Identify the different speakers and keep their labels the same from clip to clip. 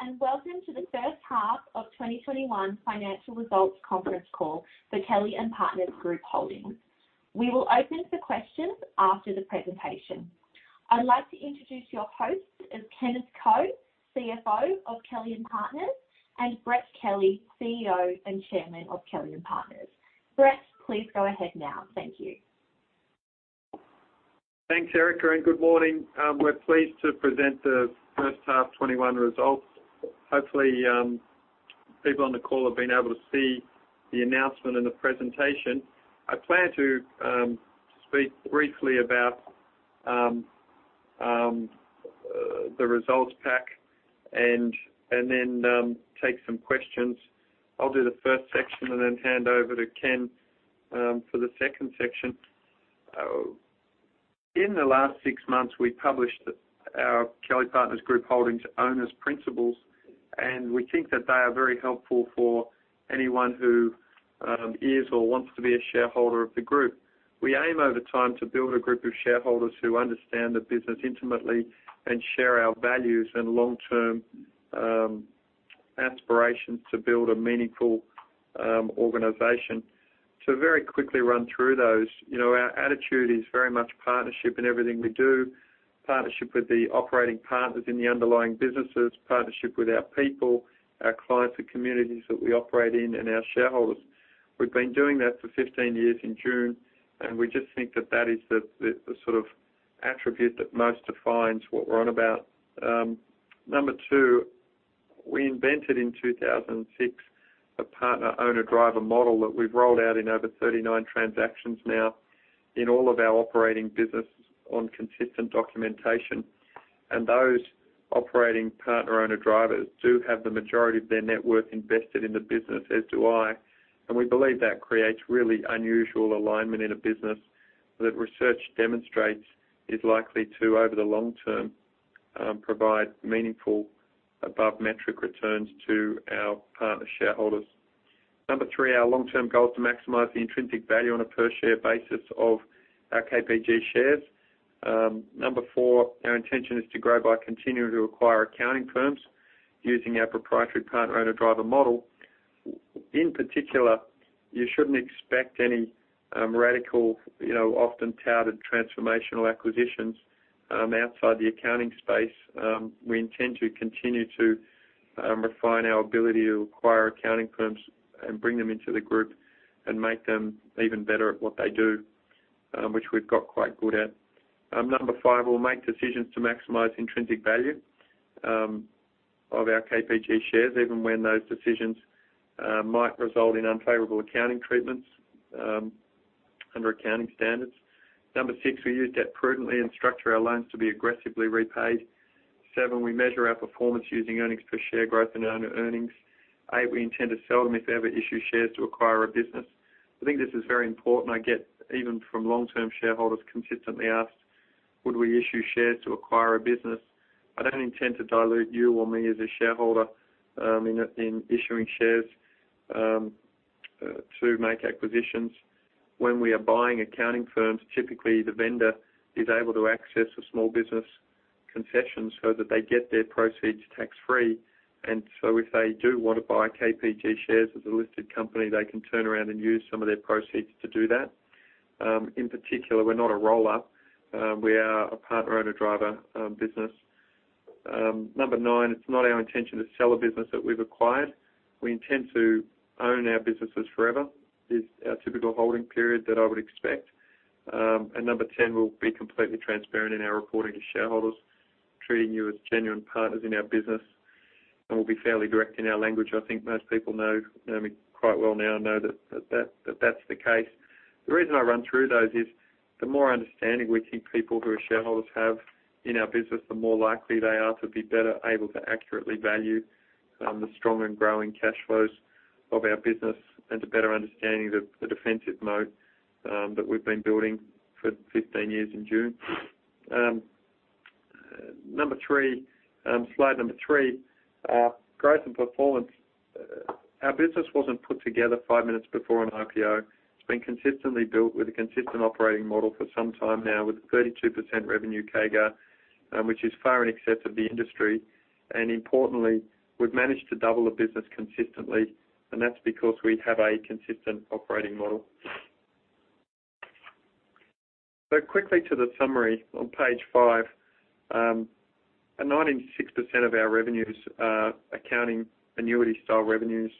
Speaker 1: Hello, and welcome to the first half of 2021 financial results conference call for Kelly and Partners Group Holdings. We will open for questions after the presentation. I'd like to introduce your hosts as Kenneth Ko, CFO of Kelly and Partners, and Brett Kelly, CEO and Chairman of Kelly and Partners. Brett, please go ahead now. Thank you.
Speaker 2: Thanks Erica, and good morning. We're pleased to present the first half 2021 results. Hopefully, people on the call have been able to see the announcement and the presentation. I plan to speak briefly about the results pack and then take some questions. I'll do the first section and then hand over to Ken for the second section. In the last six months, we published our Kelly Partners Group Holdings owners' principles, and we think that they are very helpful for anyone who is or wants to be a shareholder of the group. We aim over time to build a group of shareholders who understand the business intimately and share our values and long-term aspirations to build a meaningful organization. To very quickly run through those, you know, our attitude is very much partnership in everything we do, partnership with the operating partners in the underlying businesses, partnership with our people, our clients and communities that we operate in and our shareholders. We've been doing that for 15 years in June, we just think that that is the sort of attribute that most defines what we're on about. Number two, we invented in 2006 a Partner-Owner-Driver model that we've rolled out in over 39 transactions now in all of our operating businesses on consistent documentation. Those operating Partner-Owner-Drivers do have the majority of their net worth invested in the business, as do I. We believe that creates really unusual alignment in a business that research demonstrates is likely to, over the long term, provide meaningful above metric returns to our partner shareholders. Number three, our long-term goal is to maximize the intrinsic value on a per share basis of our KPG shares. Number four, our intention is to grow by continuing to acquire accounting firms using our proprietary Partner-Owner-Driver model. In particular, you shouldn't expect any, radical, you know, often touted transformational acquisitions, outside the accounting space. We intend to continue to refine our ability to acquire accounting firms and bring them into the group and make them even better at what they do, which we've got quite good at. Number five, we'll make decisions to maximize intrinsic value of our KPG shares even when those decisions might result in unfavorable accounting treatments under accounting standards. Number six, we use debt prudently and structure our loans to be aggressively repaid. Seven, we measure our performance using earnings per share growth and owner earnings. Eight, we intend to sell them if they ever issue shares to acquire a business. I think this is very important. I get, even from long-term shareholders, consistently asked, would we issue shares to acquire a business? I don't intend to dilute you or me as a shareholder in issuing shares to make acquisitions. When we are buying accounting firms, typically the vendor is able to access a small business concession so that they get their proceeds tax-free. If they do wanna buy KPG shares as a listed company, they can turn around and use some of their proceeds to do that. In particular, we're not a roll-up. We are a Partner-Owner-Driver business. Number nine, it's not our intention to sell a business that we've acquired. We intend to own our businesses forever, is our typical holding period that I would expect. Number 10, we'll be completely transparent in our reporting to shareholders, treating you as genuine partners in our business, and we'll be fairly direct in our language. I think most people know me quite well now and know that's the case. The reason I run through those is the more understanding we think people who are shareholders have in our business, the more likely they are to be better able to accurately value, the strong and growing cash flows of our business and to better understanding the defensive mode that we've been building for 15 years in June. Number three slide number three, growth and performance. Our business wasn't put together five minutes before an IPO. It's been consistently built with a consistent operating model for some time now with a 32% revenue CAGR, which is far in excess of the industry. Importantly, we've managed to double the business consistently, and that's because we have a consistent operating model. Quickly to the summary on page five. 96% of our revenues are accounting annuity-style revenues,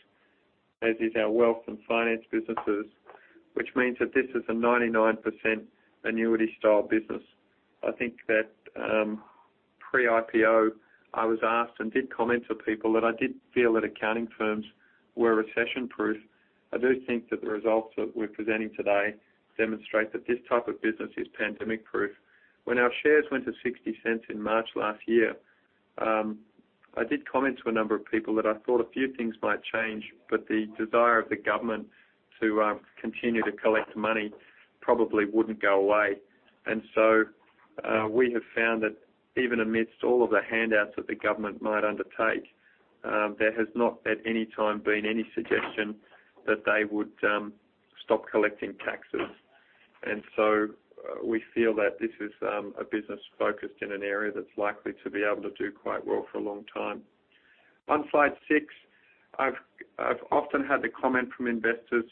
Speaker 2: as is our wealth and finance businesses, which means that this is a 99% annuity-style business. I think that pre-IPO, I was asked and did comment to people that I did feel that accounting firms were recession-proof. I do think that the results that we're presenting today demonstrate that this type of business is pandemic-proof. When our shares went to 0.60 in March last year, I did comment to a number of people that I thought a few things might change, but the desire of the government to continue to collect money probably wouldn't go away. We have found that even amidst all of the handouts that the government might undertake, there has not at any time been any suggestion that they would stop collecting taxes. And so, we feel that this is a business focused in an area that's likely to be able to do quite well for a long time. On slide six, I've often had the comment from investors,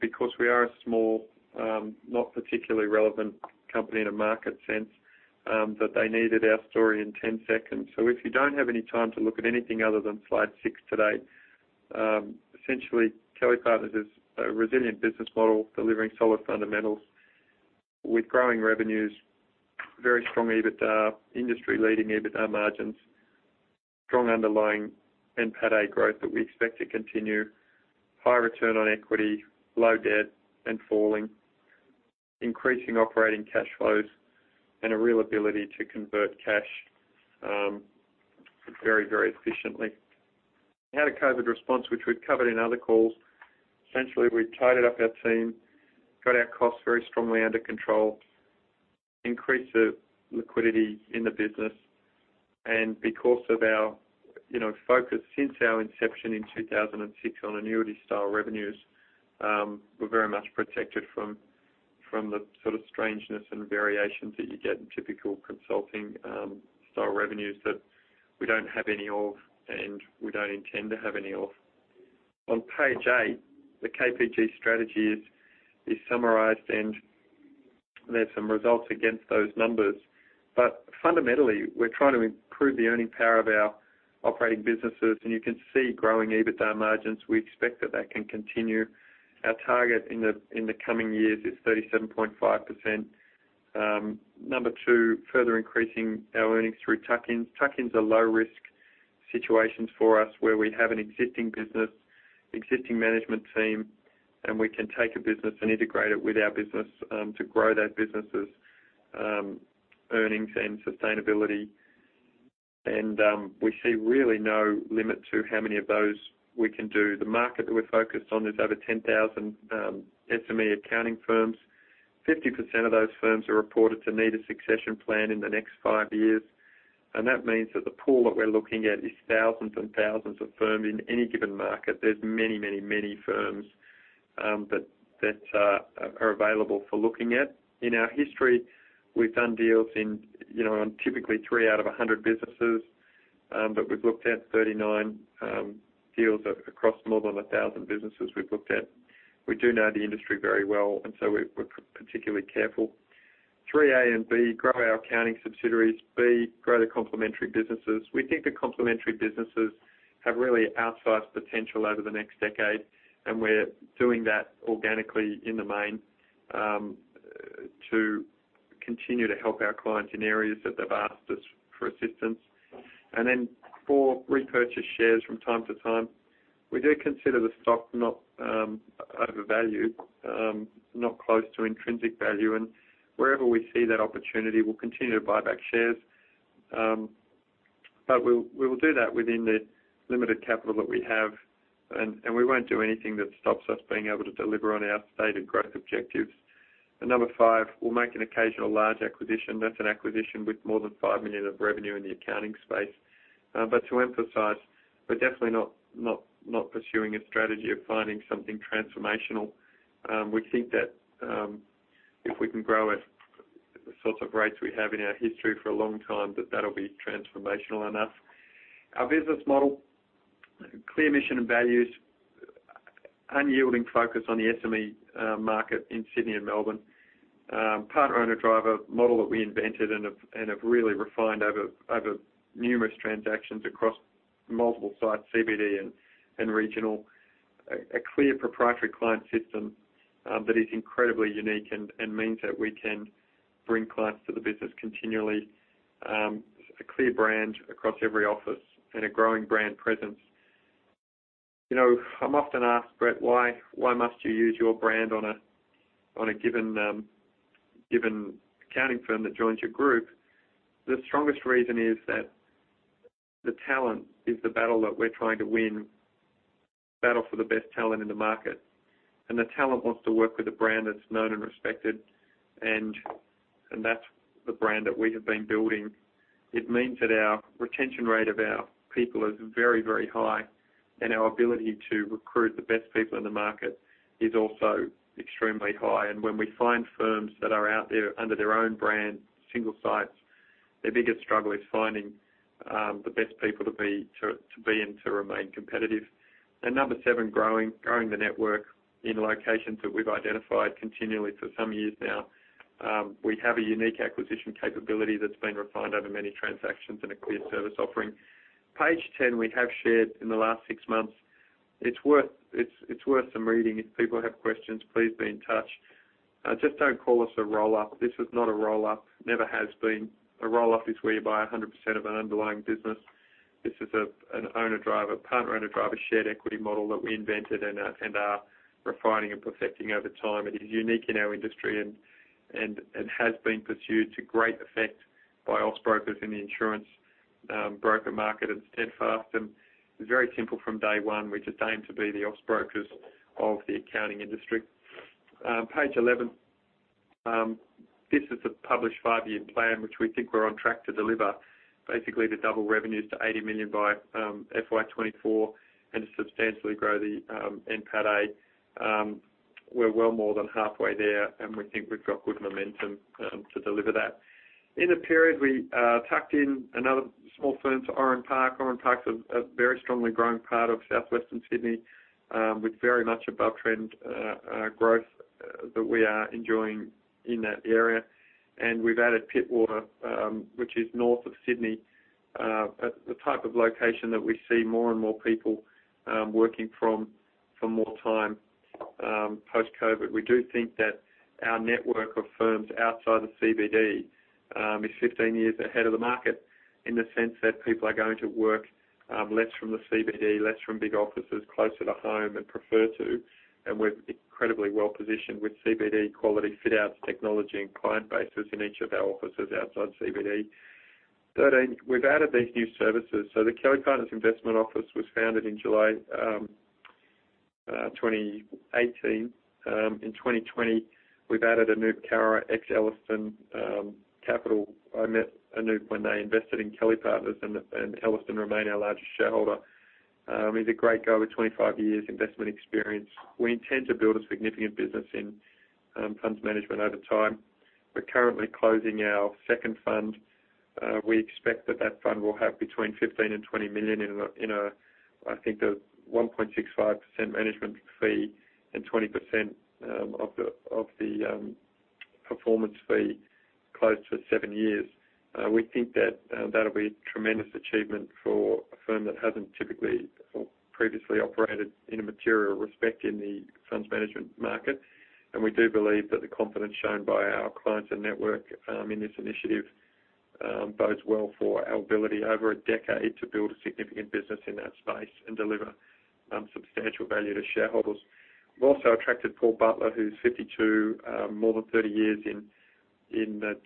Speaker 2: because we are a small, not particularly relevant company in a market sense, that they needed our story in 10 seconds. If you don't have any time to look at anything other than slide six today, essentially Kelly Partners is a resilient business model delivering solid fundamentals with growing revenues, very strong EBITDA, industry-leading EBITDA margins, strong underlying NPATA growth that we expect to continue, high return on equity, low debt and falling, increasing operating cash flows, and a real ability to convert cash very, very efficiently. We had a COVID response, which we've covered in other calls. Essentially, we tidied up our team, got our costs very strongly under control, increased the liquidity in the business. Because of our, you know, focus since our inception in 2006 on annuity-style revenues, we're very much protected from the sort of strangeness and variations that you get in typical consulting style revenues that we don't have any of, and we don't intend to have any of. On page eight, the KPG strategy is summarized, and there's some results against those numbers. Fundamentally, we're trying to improve the earning power of our operating businesses. You can see growing EBITDA margins. We expect that can continue. Our target in the coming years is 37.5%. Number two, further increasing our earnings through tuck-ins. Tuck-ins are low risk situations for us, where we have an existing business, existing management team, and we can take a business and integrate it with our business, to grow that business', earnings and sustainability. We see really no limit to how many of those we can do. The market that we're focused on is over 10,000 SME accounting firms. 50% of those firms are reported to need a succession plan in the next five years. That means that the pool that we're looking at is thousands and thousands of firms. In any given market, there's many, many, many firms that are available for looking at. In our history, we've done deals in, you know, on typically three out of 100 businesses, but we've looked at 39 deals across more than 1,000 businesses we've looked at. We do know the industry very well, and so we're particularly careful. Three A and B, grow our accounting subsidiaries. B, grow the complementary businesses. We think the complementary businesses have really outsized potential over the next decade, and we're doing that organically in the main to continue to help our clients in areas that they've asked us for assistance. Four, repurchase shares from time to time. We do consider the stock not overvalued, not close to intrinsic value, and wherever we see that opportunity, we'll continue to buy back shares. We will do that within the limited capital that we have, and We won't do anything that stops us being able to deliver on our stated growth objectives. Number five, we'll make an occasional large acquisition. That's an acquisition with more than 5 million of revenue in the accounting space. But to emphasize, we're definitely not pursuing a strategy of finding something transformational. We think that if we can grow at the sorts of rates we have in our history for a long time, that'll be transformational enough. Our business model, clear mission and values, unyielding focus on the SME market in Sydney and Melbourne. Partner-Owner-Driver model that we invented and have really refined over numerous transactions across multiple sites, CBD and regional. A clear proprietary client system that is incredibly unique and means that we can bring clients to the business continually. A clear brand across every office and a growing brand presence. You know, I'm often asked, "Brett, why must you use your brand on a given accounting firm that joins your group?" The strongest reason is that the talent is the battle that we're trying to win, battle for the best talent in the market. The talent wants to work with a brand that's known and respected, and that's the brand that we have been building. It means that our retention rate of our people is very, very high, and our ability to recruit the best people in the market is also extremely high. When we find firms that are out there under their own brand, single sites, their biggest struggle is finding the best people to be and to remain competitive. Number seven, growing the network in locations that we've identified continually for some years now. We have a unique acquisition capability that's been refined over many transactions and a clear service offering. Page 10, we have shared in the last six months. It's worth some reading. If people have questions, please be in touch. Just don't call us a roll-up. This is not a roll-up, never has been. A roll-up is where you buy 100% of an underlying business. This is an Owner/Driver, Partner/Owner-Driver shared equity model that we invented and are refining and perfecting over time. It is unique in our industry and has been pursued to great effect by Austbrokers in the insurance broker market and Steadfast. It was very simple from day one. We just aimed to be the Austbrokers of the accounting industry. Page 11. This is the published five-year plan, which we think we're on track to deliver. Basically, to double revenues to 80 million by FY 2024 and substantially grow the NPATA. We're well more than halfway there, and we think we've got good momentum to deliver that. In the period, we tucked in another small firm to Oran Park. Oran Park's a very strongly growing part of southwestern Sydney, with very much above trend growth that we are enjoying in that area. We've added Pittwater, which is north of Sydney, but the type of location that we see more and more people working from for more time post-COVID. We do think that our network of firms outside the CBD, is 15 years ahead of the market in the sense that people are going to work, less from the CBD, less from big offices, closer to home and prefer to. We're incredibly well-positioned with CBD quality fit outs, technology and client bases in each of our offices outside CBD. 13, we've added these new services. The Kelly+Partners Investment Office was founded in July, 2018. In 2020, we've added Anup Kara, ex Ellerston Capital. I met Anup when they invested in Kelly Partners and Ellerston remain our largest shareholder. He's a great guy with 25 years investment experience. We intend to build a significant business in funds management over time. We're currently closing our second fund. We expect that that fund will have between 15 million-20 million in a, in a, I think, a 1.65% management fee and 20% of the, of the performance fee closed for seven years. We think that that'll be a tremendous achievement for a firm that hasn't typically or previously operated in a material respect in the funds management market. We do believe that the confidence shown by our clients and network in this initiative bodes well for our ability over a decade to build a significant business in that space and deliver substantial value to shareholders. We've also attracted Paul Butler, who's 52, more than 30 years in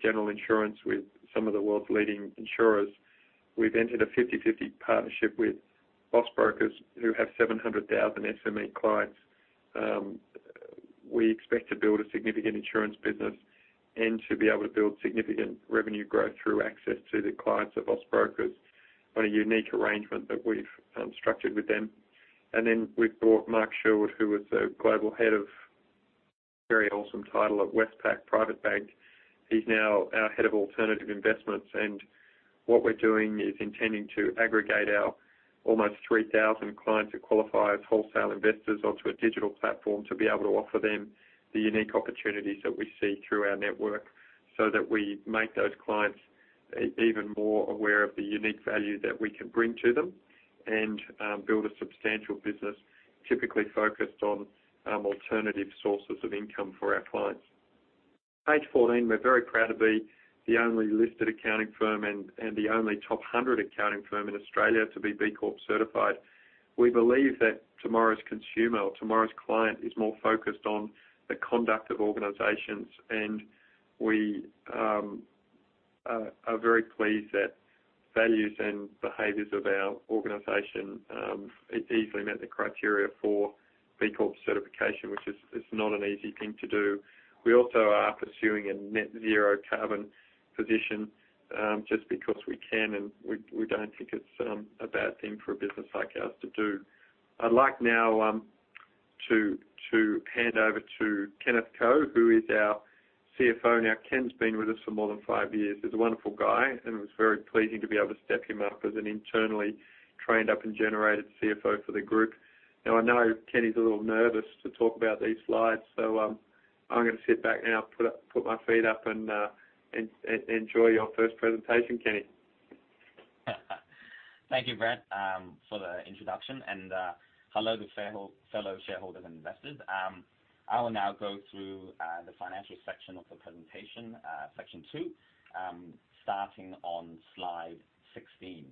Speaker 2: general insurance with some of the world's leading insurers. We've entered a 50/50 partnership with Austbrokers, who have 700,000 SME clients. We expect to build a significant insurance business and to be able to build significant revenue growth through access to the clients of Austbrokers on a unique arrangement that we've structured with them. We've brought Mark Shield, who was the Global Head of... Very awesome title at Westpac Private Bank. He's now our Head of Alternative Investments. What we're doing is intending to aggregate our almost 3,000 clients who qualify as wholesale investors onto a digital platform to be able to offer them the unique opportunities that we see through our network, so that we make those clients even more aware of the unique value that we can bring to them and build a substantial business, typically focused on alternative sources of income for our clients. Page 14, we're very proud to be the only listed accounting firm and the only top 100 accounting firm in Australia to be B Corp certified. We believe that tomorrow's consumer or tomorrow's client is more focused on the conduct of organizations. We are very pleased that values and behaviors of our organization easily met the criteria for B Corp certification, which is not an easy thing to do. We also are pursuing a net zero carbon position just because we can, and we don't think it's a bad thing for a business like ours to do. I'd like now to hand over to Kenneth Ko, who is our CFO. Now, Ken's been with us for more than five years. He's a wonderful guy, and it was very pleasing to be able to step him up as an internally trained up and generated CFO for the group. Now, I know Kenny's a little nervous to talk about these slides, so I'm gonna sit back now, put up, put my feet up and enjoy your first presentation, Kenny.
Speaker 3: Thank you Brent, for the introduction and hello to fellow shareholders and investors. I will now go through the financial section of the presentation, section two, starting on slide 16,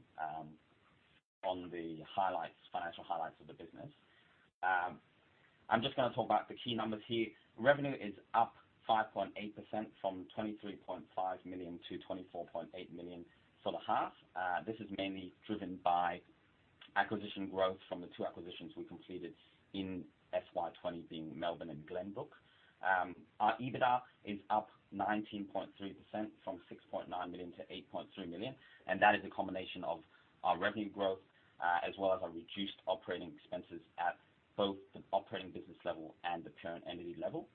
Speaker 3: on the highlights, financial highlights of the business. I'm just gonna talk about the key numbers here. Revenue is up 5.8% from 23.5 million to 24.8 million for the half. This is mainly driven by acquisition growth from the two acquisitions we completed in FY 20, being Melbourne and Glenbrook. Our EBITDA is up 19.3% from 6.9 million to 8.3 million, and that is a combination of our revenue growth, as well as our reduced operating expenses at both the operating business level and the parent entity level.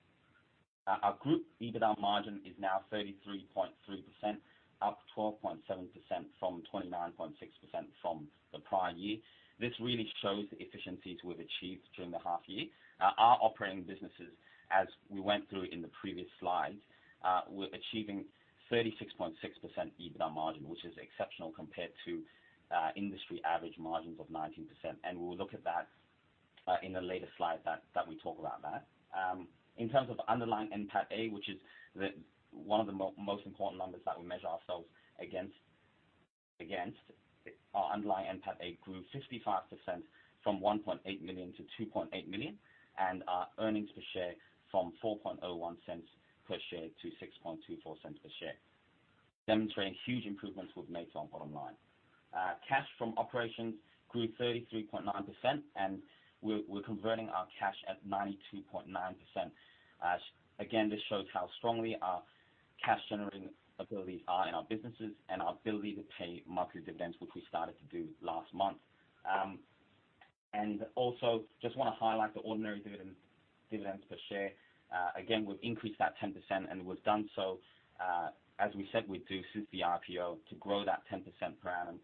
Speaker 3: Our group EBITDA margin is now 33.3%, up 12.7% from 29.6% from the prior year. This really shows the efficiencies we've achieved during the half year. Our operating businesses, as we went through in the previous slide, were achieving 36.6% EBITDA margin, which is exceptional compared to, industry average margins of 19%. We'll look at that, in a later slide that we talk about that. In terms of underlying NPATA, which is one of the most important numbers that we measure ourselves against, our underlying NPATA grew 55% from 1.8 million to 2.8 million and our earnings per share from 0.0401 per share to 0.0624 per share. Demonstrating huge improvements we've made to our bottom line. Cash from operations grew 33.9%, and we're converting our cash at 92.9%. Again, this shows how strongly our cash generating abilities are in our businesses and our ability to pay monthly dividends, which we started to do last month. And also just wanna highlight the ordinary dividends per share. Again, we've increased that 10% and we've done so, as we said we'd do since the IPO to grow that 10% per annum,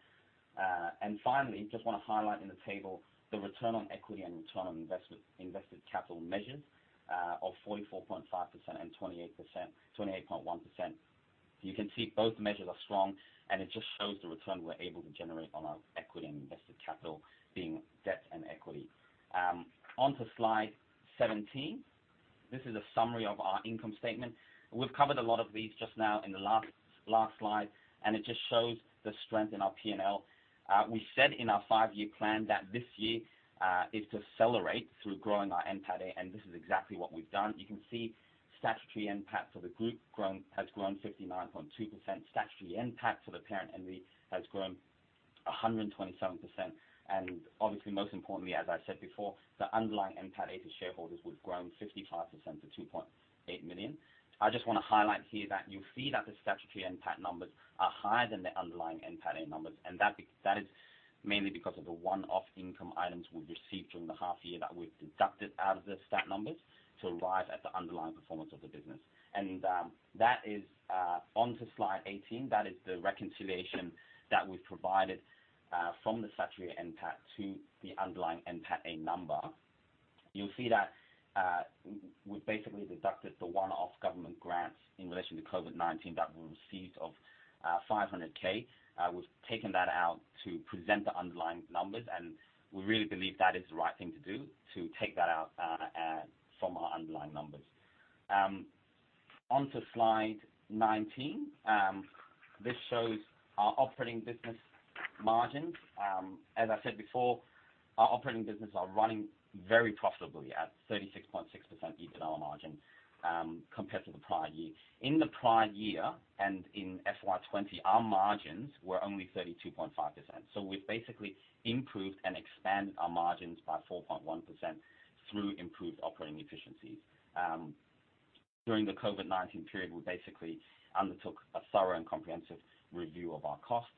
Speaker 3: and finally, just wanna highlight in the table the return on equity and return on investment, invested capital measures, of 44.5% and 28.1%. You can see both measures are strong, and it just shows the return we're able to generate on our equity and invested capital being debt and equity. Onto slide 17. This is a summary of our income statement. We've covered a lot of these just now in the last slide, and it just shows the strength in our P&L. We said in our five-year plan that this year is to accelerate through growing our NPATA, and this is exactly what we've done. You can see statutory NPAT for the group has grown 59.2%. Statutory NPAT for the parent entity has grown 127%. Obviously, most importantly, as I said before, the underlying NPAT A to shareholders we've grown 55% to 2.8 million. I just wanna highlight here that you'll see that the statutory NPAT numbers are higher than the underlying NPAT A numbers, and that is mainly because of the one-off income items we've received during the half year that we've deducted out of the stat numbers to arrive at the underlying performance of the business. That is onto slide 18, that is the reconciliation that we've provided from the statutory NPAT to the underlying NPAT A number. You'll see that we've basically deducted the one-off government grants in relation to COVID-19 that we received of 500K. We've taken that out to present the underlying numbers. We really believe that is the right thing to do to take that out from our underlying numbers. Onto slide 19. This shows our operating business margins. As I said before, our operating business are running very profitably at 36.6% EBITDA margin compared to the prior year. In the prior year and in FY 2020, our margins were only 32.5%. We've basically improved and expanded our margins by 4.1% through improved operating efficiencies. During the COVID-19 period, we basically undertook a thorough and comprehensive review of our costs,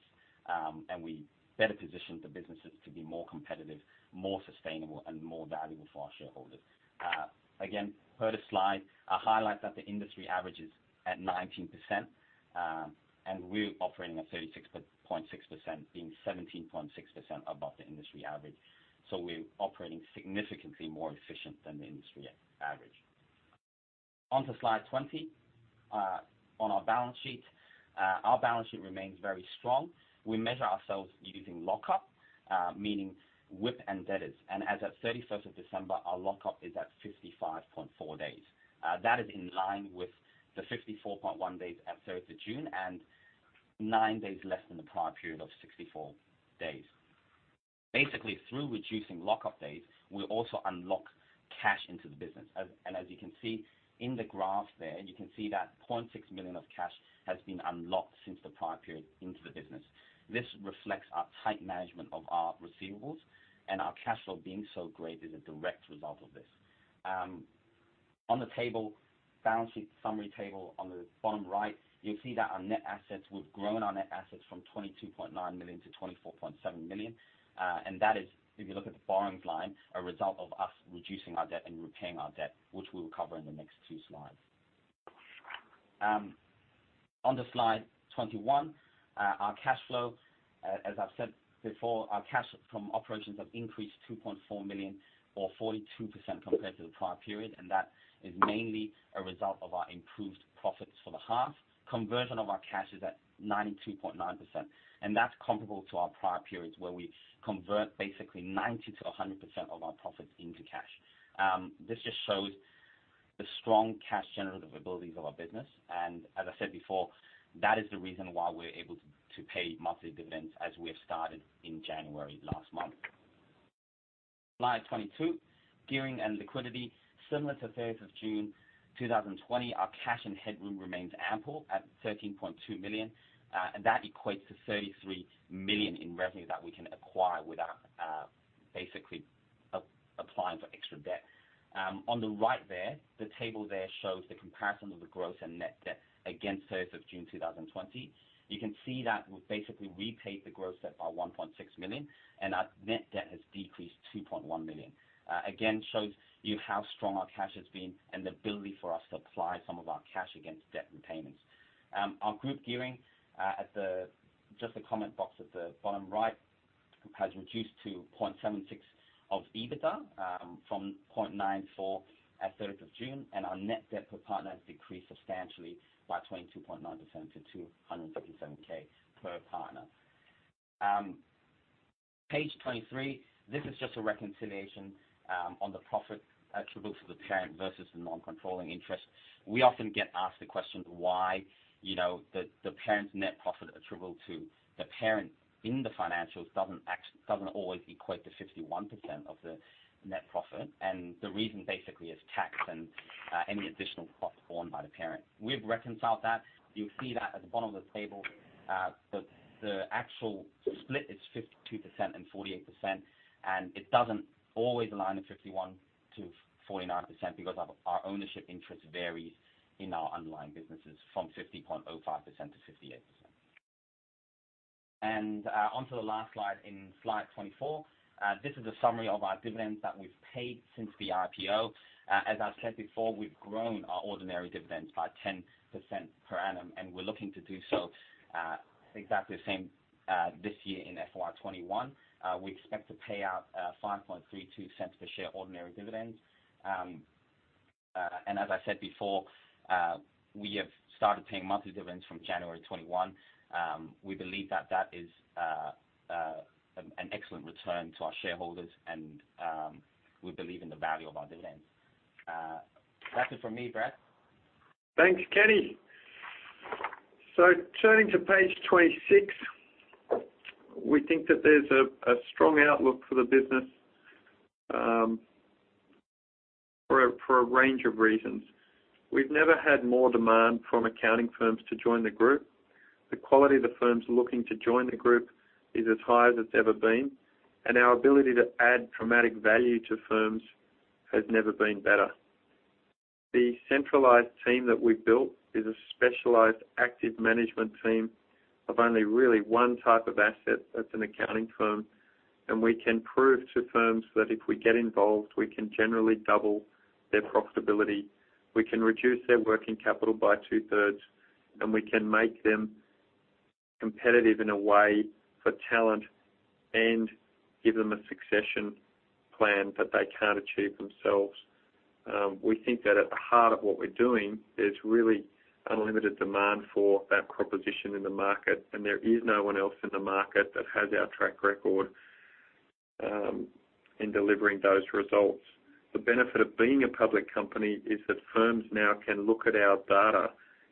Speaker 3: and we better positioned the businesses to be more competitive, more sustainable and more valuable for our shareholders. Again, per the slide, I highlight that the industry average is at 19%, and we're operating at 36.6%, being 17.6% above the industry average. We're operating significantly more efficient than the industry average. Onto slide 20. On our balance sheet. Our balance sheet remains very strong. We measure ourselves using lockup, meaning WIP and debtors. As at December 31, our lockup is at 55.4 days. That is in line with the 54.1 days at June 3rd and nine days less than the prior period of 64 days. Basically, through reducing lockup days, we also unlock cash into the business. As you can see in the graph there, you can see that 0.6 million of cash has been unlocked since the prior period into the business. This reflects our tight management of our receivables and our cash flow being so great is a direct result of this. On the table, balance sheet summary table on the bottom right, you'll see that our net assets, we've grown our net assets from 22.9 million to 24.7 million. That is, if you look at the borrowings line, a result of us reducing our debt and repaying our debt, which we'll cover in the next two slides. Onto slide 21. Our cash flow, as I've said before, our cash from operations have increased 2.4 million or 42% compared to the prior period, that is mainly a result of our improved profits for the half. Conversion of our cash is at 92.9%, that's comparable to our prior periods where we convert basically 90%-100% of our profits into cash. This just shows the strong cash generative abilities of our business. As I said before, that is the reason why we're able to pay monthly dividends as we have started in January last month. Slide 22, gearing and liquidity. Similar to third of June 2020, our cash and headroom remains ample at 13.2 million. That equates to 33 million in revenue that we can acquire without basically applying for extra debt. On the right there, the table there shows the comparison of the gross and net debt against June 3rd, 2020. You can see that we've basically repaid the gross debt by 1.6 million and our net debt has decreased 2.1 million. Again, shows you how strong our cash has been and the ability for us to apply some of our cash against debt repayments. Our group gearing, just the comment box at the bottom right, has reduced to 0.76 of EBITDA from 0.94 at 3rd of June. Our net debt per partner has decreased substantially by 22.9% to AUD 257K per partner. Page 23. This is just a reconciliation on the profit attributable to the parent versus the non-controlling interest. We often get asked the question why, you know, the parent's net profit attributable to the parent in the financials doesn't always equate to 51% of the net profit. The reason basically is tax and any additional costs borne by the parent. We've reconciled that, you'll see that at the bottom of the table. The, the actual split is 52% and 48%, and it doesn't always align at 51%-49% because our ownership interest varies in our underlying businesses from 50.05% to 58%. Onto the last slide, in slide 24. This is a summary of our dividends that we've paid since the IPO. As I've said before, we've grown our ordinary dividends by 10% per annum. We're looking to do so exactly the same this year in FY 2021. We expect to pay out 0.0532 per share ordinary dividend. As I said before, we have started paying monthly dividends from January 2021. We believe that that is an excellent return to our shareholders and we believe in the value of our dividends. That's it from me, Brett.
Speaker 2: Thanks Kenny. Turning to page 26, we think that there's a strong outlook for the business, for a range of reasons. We've never had more demand from accounting firms to join the group. The quality of the firms looking to join the group is as high as it's ever been, and our ability to add dramatic value to firms has never been better. The centralized team that we've built is a specialized active management team of only really one type of asset, that's an accounting firm, and we can prove to firms that if we get involved, we can generally double their profitability. We can reduce their working capital by two-thirds, and we can make them competitive in a way for talent and give them a succession plan that they can't achieve themselves. We think that at the heart of what we're doing, there's really unlimited demand for that proposition in the market, and there is no one else in the market that has our track record in delivering those results. The benefit of being a public company is that firms now can look at our data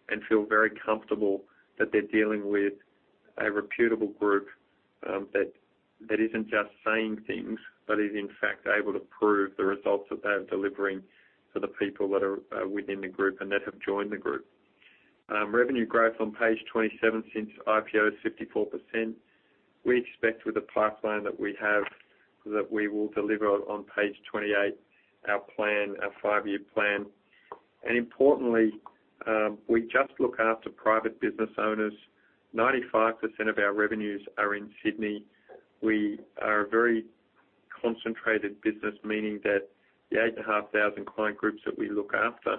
Speaker 2: and feel very comfortable that they're dealing with a reputable group that isn't just saying things, but is in fact able to prove the results that they're delivering to the people that are within the group and that have joined the group. Revenue growth on page 27 since IPO is 54%. We expect with the pipeline that we have, that we will deliver on page 28 our plan, our 5-year plan. Importantly, we just look after private business owners. 95% of our revenues are in Sydney. We are a very concentrated business meaning that, the 8,500 client groups that we look after,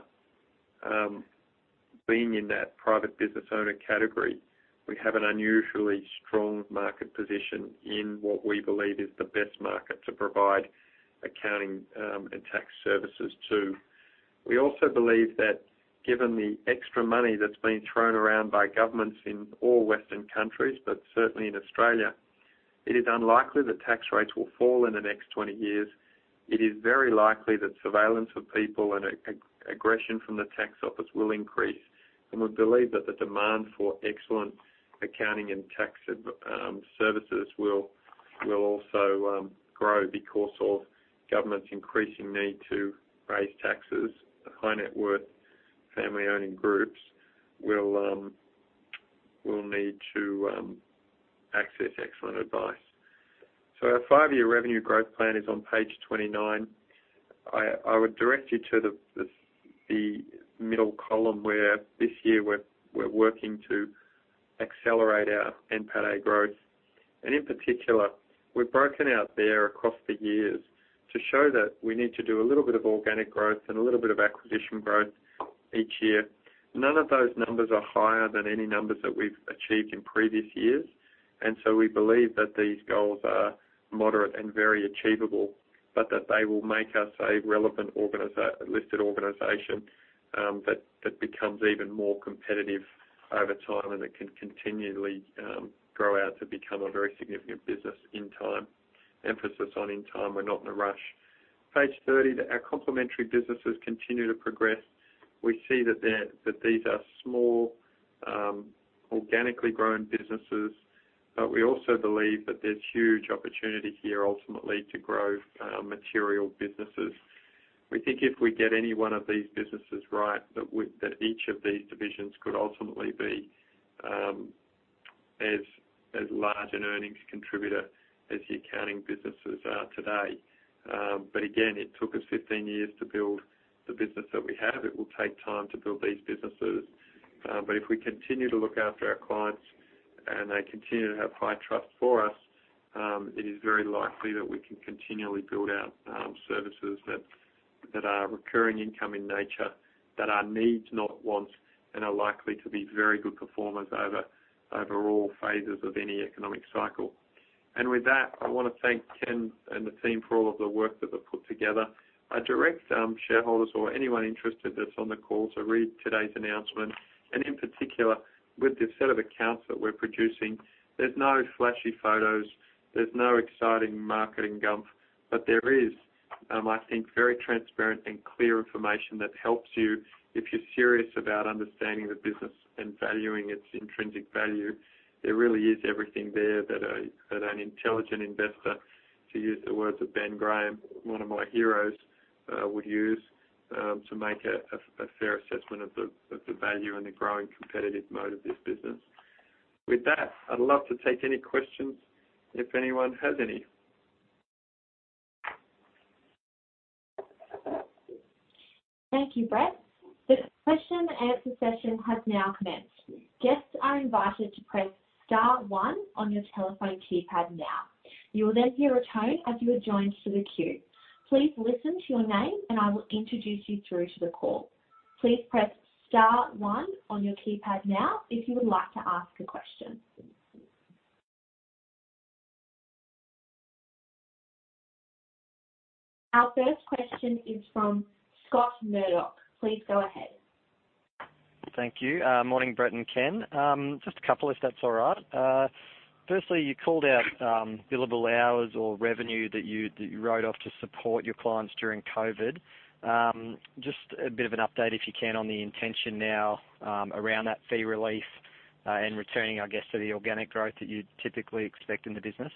Speaker 2: being in that private business owner category, we have an unusually strong market position in what we believe is the best market to provide accounting and tax services to. We also believe that given the extra money that's being thrown around by governments in all Western countries, but certainly in Australia, it is unlikely that tax rates will fall in the next 20 years. It is very likely that surveillance of people and aggression from the tax office will increase. We believe that the demand for excellent accounting and tax services will also grow because of government's increasing need to raise taxes. High-net-worth family-owning groups will need to access excellent advice. Our 5-year revenue growth plan is on page 29. I would direct you to the middle column, where this year we're working to accelerate our NPATA growth. In particular, we've broken out there across the years to show that we need to do a little bit of organic growth and a little bit of acquisition growth each year. None of those numbers are higher than any numbers that we've achieved in previous years, and so we believe that these goals are moderate and very achievable, but that they will make us a relevant listed organization that becomes even more competitive over time and that can continually grow out to become a very significant business in time. Emphasis on in time, we're not in a rush. Page 30, our complementary businesses continue to progress. We see that these are small, organically grown businesses. We also believe that there's huge opportunity here ultimately to grow, kind of material businesses. We think if we get any one of these businesses right, that each of these divisions could ultimately be as large an earnings contributor as the accounting businesses are today. Again, it took us 15 years to build the business that we have. It will take time to build these businesses. If we continue to look after our clients, and they continue to have high trust for us, it is very likely that we can continually build out, services that are recurring income in nature, that are needs, not wants, and are likely to be very good performers over all phases of any economic cycle. With that, I wanna thank Ken and the team for all of the work that they've put together. I direct shareholders or anyone interested that's on the call to read today's announcement. In particular, with the set of accounts that we're producing, there's no flashy photos, there's no exciting marketing gumph, but there is I think very transparent and clear information that helps you if you're serious about understanding the business and valuing its intrinsic value. There really is everything there that an intelligent investor, to use the words of Benjamin Graham, one of my heroes, would use to make a fair assessment of the value and the growing competitive mode of this business. With that, I'd love to take any questions if anyone has any.
Speaker 1: Thank you Brett. The question and answer session has now commenced. Guests are invited to press star one on your telephone keypad now. You will then hear a tone as you are joined to the queue. Please listen to your name, and I will introduce you through to the call. Please press star one on your keypad now if you would like to ask a question. Our first question is from Scott Murdock. Please go ahead.
Speaker 4: Thank you. Morning Brett and Ken. Just a couple if that's all right. Firstly, you called out billable hours or revenue that you wrote off to support your clients during COVID. Just a bit of an update, if you can, on the intention now around that fee relief and returning, I guess, to the organic growth that you'd typically expect in the business.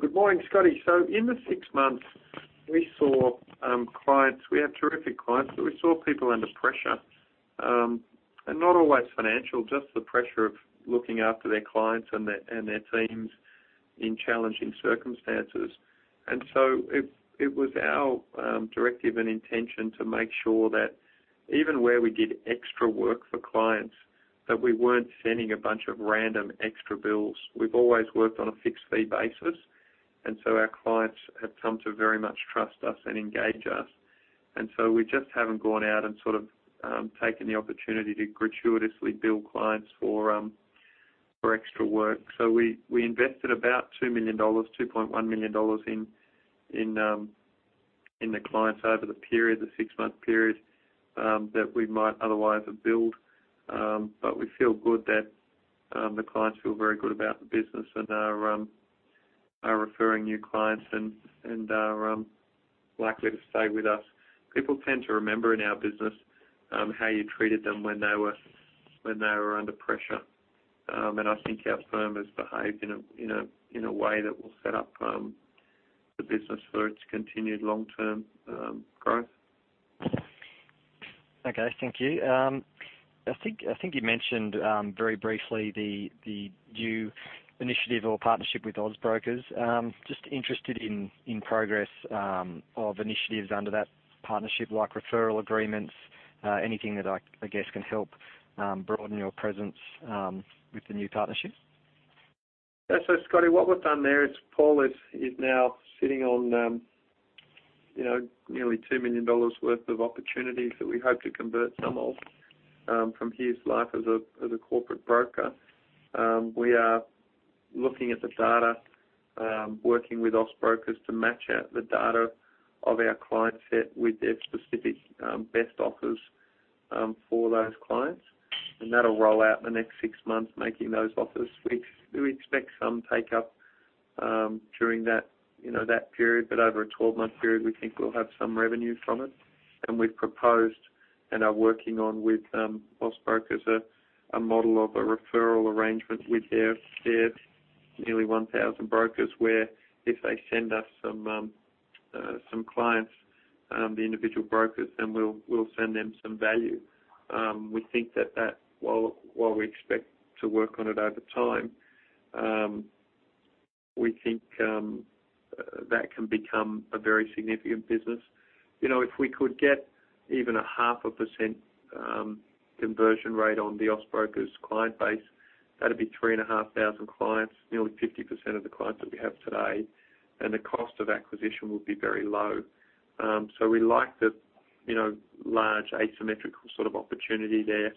Speaker 2: Good morning Scotty. In the six months, we saw We have terrific clients, but we saw people under pressure, and not always financial, just the pressure of looking after their clients and their teams in challenging circumstances. It, it was our directive and intention to make sure that even where we did extra work for clients, that we weren't sending a bunch of random extra bills. We've always worked on a fixed fee basis, our clients have come to very much trust us and engage us. We just haven't gone out and sort of, taken the opportunity to gratuitously bill clients for extra work. We invested about 2 million dollars, 2.1 million dollars in the clients over the period, the six-month period, that we might otherwise have billed. We feel good that the clients feel very good about the business and are referring new clients and are likely to stay with us. People tend to remember in our business how you treated them when they were under pressure. I think our firm has behaved in a way that will set up the business for its continued long-term growth.
Speaker 4: Okay Thank you. I think you mentioned, very briefly the new initiative or partnership with Austbrokers. Just interested in progress, of initiatives under that partnership, like referral agreements, anything that I guess can help, broaden your presence, with the new partnership.
Speaker 2: Scotty, what we've done there is Paul is now sitting on, you know, nearly 2 million dollars worth of opportunities that we hope to convert some of, from his life as a, as a corporate broker. We are looking at the data, working with Austbrokers to match out the data of our client set with their specific, best offers, for those clients. That'll roll out in the next six months, making those offers. We, we expect some take up, during that, you know, that period, but over a 12-month period, we think we'll have some revenue from it. We've proposed and are working on with Austbrokers a model of a referral arrangement with their nearly 1,000 brokers, where if they send us some clients, the individual brokers, then we'll send them some value. We think that while we expect to work on it over time, we think that can become a very significant business. You know, if we could get even a 0.5% conversion rate on the Austbrokers client base, that'd be 3,500 clients, nearly 50% of the clients that we have today, and the cost of acquisition would be very low. We like the, you know, large asymmetrical sort of opportunity there.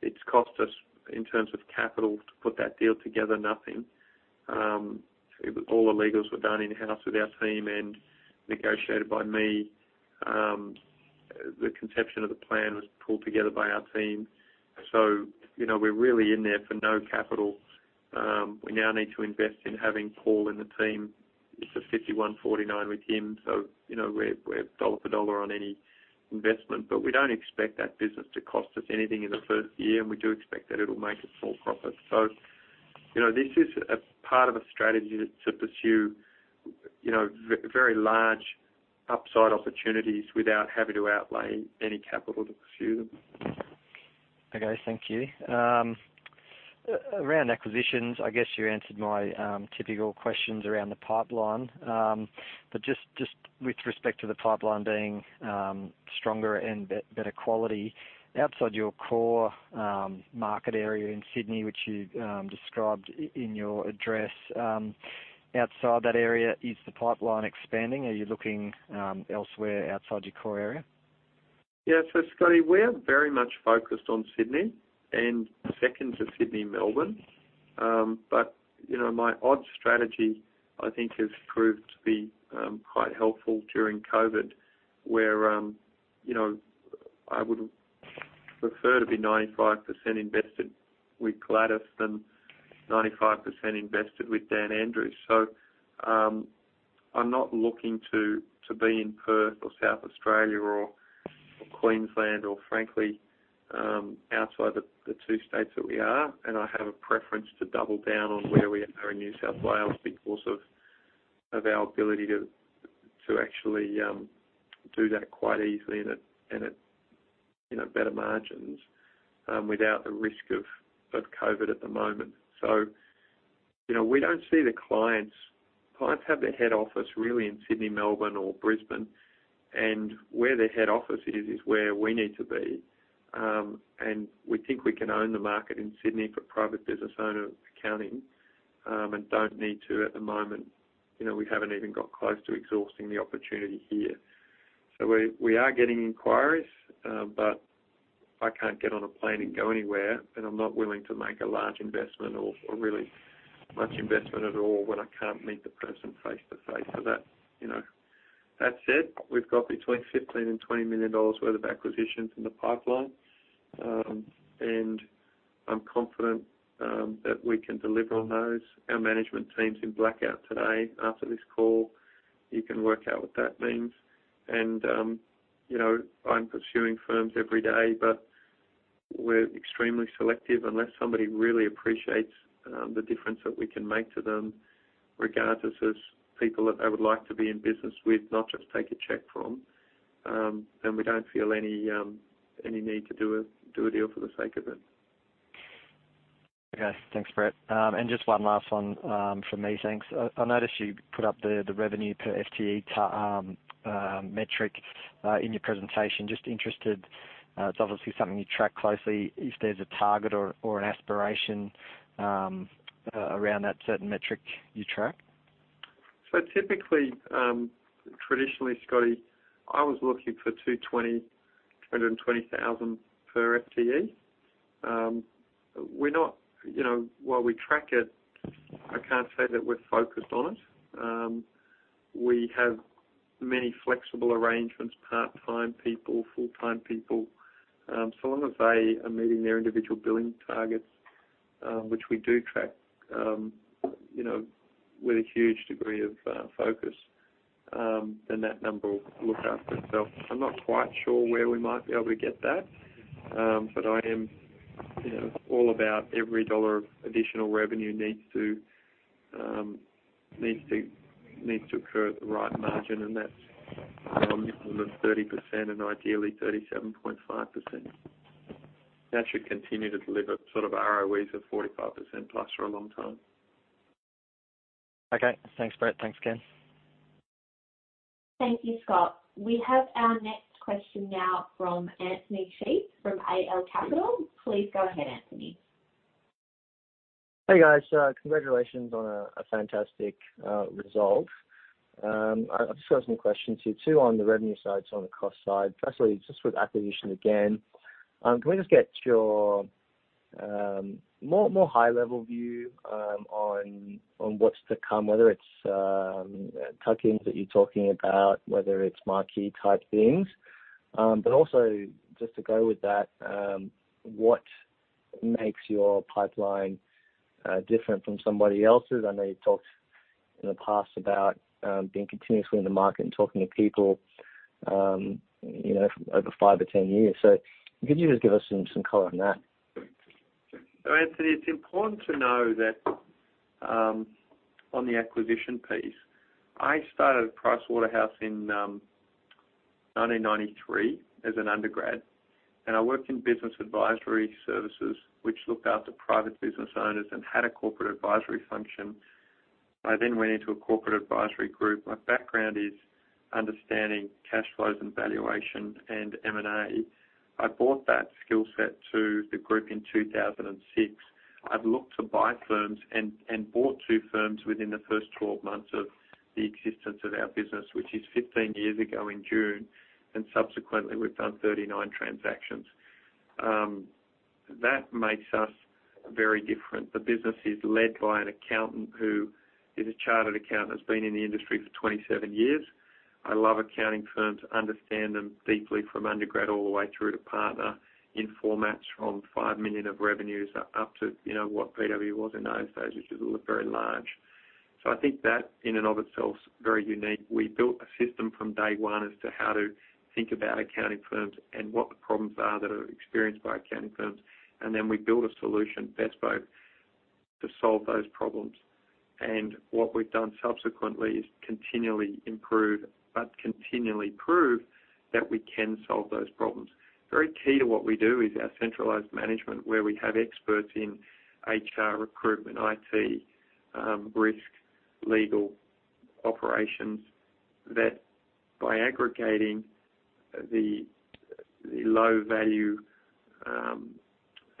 Speaker 2: It's cost us, in terms of capital, to put that deal together, nothing. All the legals were done in-house with our team and negotiated by me. The conception of the plan was pulled together by our team. You know, we're really in there for no capital. We now need to invest in having Paul and the team. It's a 51, 49 with him, so, you know, we're dollar for dollar on any investment. We don't expect that business to cost us anything in the first year, and we do expect that it'll make a full profit. You know, this is a part of a strategy to pursue, you know, very large upside opportunities without having to outlay any capital to pursue them.
Speaker 4: Okay Thank you. Around acquisitions, I guess you answered my typical questions around the pipeline. Just with respect to the pipeline being stronger and better quality, outside your core market area in Sydney, which you described in your address, outside that area, is the pipeline expanding? Are you looking elsewhere outside your core area?
Speaker 2: Scotty, we're very much focused on Sydney and second to Sydney, Melbourne. You know, my odds strategy, I think, has proved to be quite helpful during COVID, where, you know, I prefer to be 95% invested with Gladys than 95% invested with Daniel Andrews. I'm not looking to be in Perth or South Australia or Queensland or frankly, outside the two states that we are. I have a preference to double down on where we are in New South Wales because of our ability to actually do that quite easily and at, and at, you know, better margins, without the risk of COVID at the moment. So you know, we don't see the clients. Clients have their head office really in Sydney, Melbourne, or Brisbane, and where their head office is where we need to be. We think we can own the market in Sydney for private business owner accounting, and don't need to at the moment. You know, we haven't even got close to exhausting the opportunity here. We are getting inquiries, but if I can't get on a plane and go anywhere, then I'm not willing to make a large investment or really much investment at all when I can't meet the person face-to-face. That, you know, that said, we've got between 15 million and 20 million dollars worth of acquisitions in the pipeline, and I'm confident that we can deliver on those. Our management team's in blackout today. After this call, you can work out what that means. You know, I'm pursuing firms every day, but we're extremely selective. Unless somebody really appreciates the difference that we can make to them, regardless of people that they would like to be in business with, not just take a check from, then we don't feel any need to do a deal for the sake of it.
Speaker 4: Okay Thanks Brett. Just one last one, from me thanks. I noticed you put up the revenue per FTE metric in your presentation. Just interested, it's obviously something you track closely, if there's a target or an aspiration around that certain metric you track.
Speaker 2: Typically, traditionally Scotty, I was looking for 220, 120,000 per FTE. We're not, you know, while we track it, I can't say that we're focused on it. We have many flexible arrangements, part-time people, full-time people. So long as they are meeting their individual billing targets, which we do track, you know, with a huge degree of focus, then that number will look after itself. I'm not quite sure where we might be able to get that, but I am, you know, all about every AUD of additional revenue needs to occur at the right margin, and that's more than 30% and ideally 37.5%. That should continue to deliver sort of ROEs of 45%+ for a long time.
Speaker 4: Okay. Thanks, Brett. Thanks, Ken.
Speaker 1: Thank you Scott. We have our next question now from Anthony Sheath from AL Capital. Please go ahead Anthony.
Speaker 5: Hey guys. Congratulations on a fantastic result. I've just got some questions here, two on the revenue side, two on the cost side. Firstly, just with acquisition again, can we just get your more high-level view on what's to come, whether it's tuck-ins that you're talking about, whether it's marquee-type things. Also just to go with that, what makes your pipeline different from somebody else's? I know you've talked in the past about being continuously in the market and talking to people, you know, over 5 to 10 years. Could you just give us some color on that?
Speaker 2: Anthony, it's important to know that on the acquisition piece, I started PricewaterhouseCoopers in 1993 as an undergrad, and I worked in business advisory services, which looked after private business owners and had a corporate advisory function. I then went into a corporate advisory group. My background is understanding cash flows and valuation and M&A. I brought that skill set to the group in 2006. I've looked to buy firms and bought 2 firms within the first 12 months of the existence of our business, which is 15 years ago in June, and subsequently, we've done 39 transactions. That makes us very different. The business is led by an accountant who is a chartered accountant, has been in the industry for 27 years. I love accounting firms, understand them deeply from undergrad all the way through to partner in formats from 5 million of revenues up to, you know, what PW was in those days, which is very large. I think that in and of itself is very unique. We built a system from day one as to how to think about accounting firms and what the problems are that are experienced by accounting firms. Then we build a solution, Best Buy, to solve those problems. What we've done subsequently is continually improve, but continually prove that we can solve those problems. Very key to what we do is our centralized management, where we have experts in HR, recruitment, IT, risk, legal, operations. That by aggregating the low value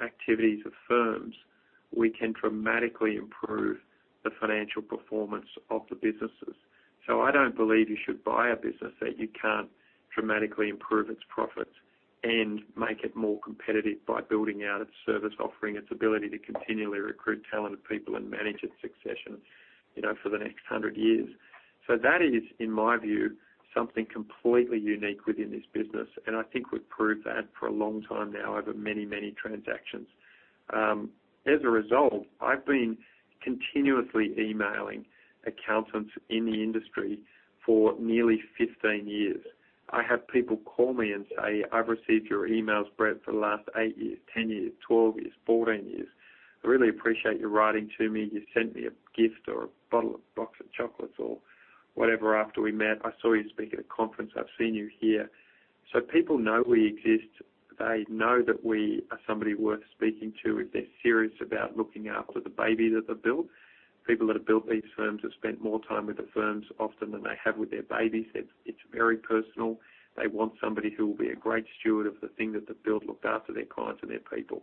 Speaker 2: activities of firms, we can dramatically improve the financial performance of the businesses. I don't believe you should buy a business that you can't dramatically improve its profits and make it more competitive by building out its service offering, its ability to continually recruit talented people and manage its succession, you know, for the next 100 years. That is, in my view, something completely unique within this business, and I think we've proved that for a long time now over many, many transactions. As a result, I've been continuously emailing accountants in the industry for nearly 15 years. I have people call me and say, "I've received your emails, Brett, for the last 8 years, 10 years, 12 years, 14 years. I really appreciate you writing to me. You sent me a gift or a bottle of box of chocolates or whatever after we met. I saw you speak at a conference. I've seen you here." People know we exist. They know that we are somebody worth speaking to if they're serious about looking after the baby that they've built. People that have built these firms have spent more time with the firms often than they have with their babies. It's very personal. They want somebody who will be a great steward of the thing that they've built, look after their clients and their people.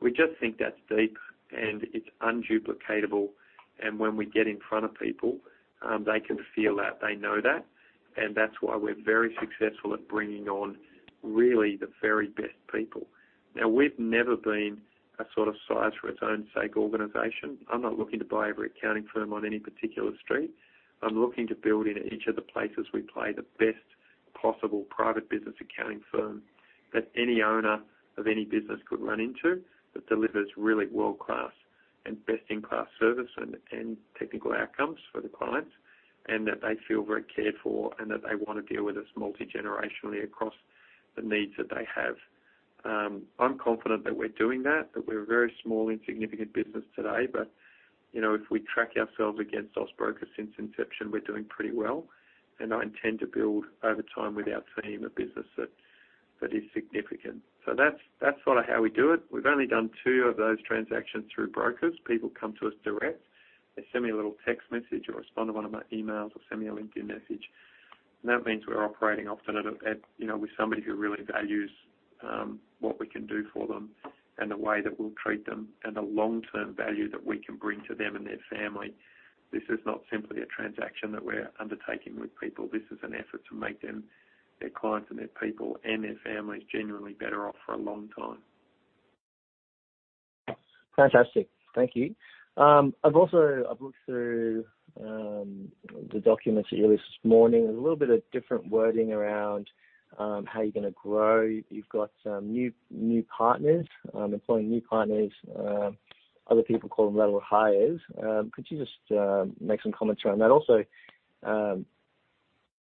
Speaker 2: We just think that's deep, and it's unduplicatable. When we get in front of people, they can feel that, they know that. That's why we're very successful at bringing on really the very best people. Now, we've never been a sort of size for its own sake organization. I'm not looking to buy every accounting firm on any particular street. I'm looking to build in each of the places we play the best possible private business accounting firm that any owner of any business could run into that delivers really world-class and technical outcomes for the clients, and that they feel very cared for and that they wanna deal with us multi-generationally across the needs that they have. I'm confident that we're doing that, we're a very small, insignificant business today. You know, if we track ourselves against Austbrokers since inception, we're doing pretty well. I intend to build over time with our team a business that is significant. That's sort of how we do it. We've only done 2 of those transactions through brokers. People come to us direct. They send me a little text message, or respond to one of my emails, or send me a LinkedIn message. That means we're operating often at, you know, with somebody who really values what we can do for them and the way that we'll treat them and the long-term value that we can bring to them and their family. This is not simply a transaction that we're undertaking with people. This is an effort to make them, their clients and their people and their families genuinely better off for a long time.
Speaker 5: Fantastic. Thank you. I've also looked through the documents that you released this morning. A little bit of different wording around how you're gonna grow. You've got some new partners, employing new partners, other people call them lateral hires. Could you just make some comments around that? Also,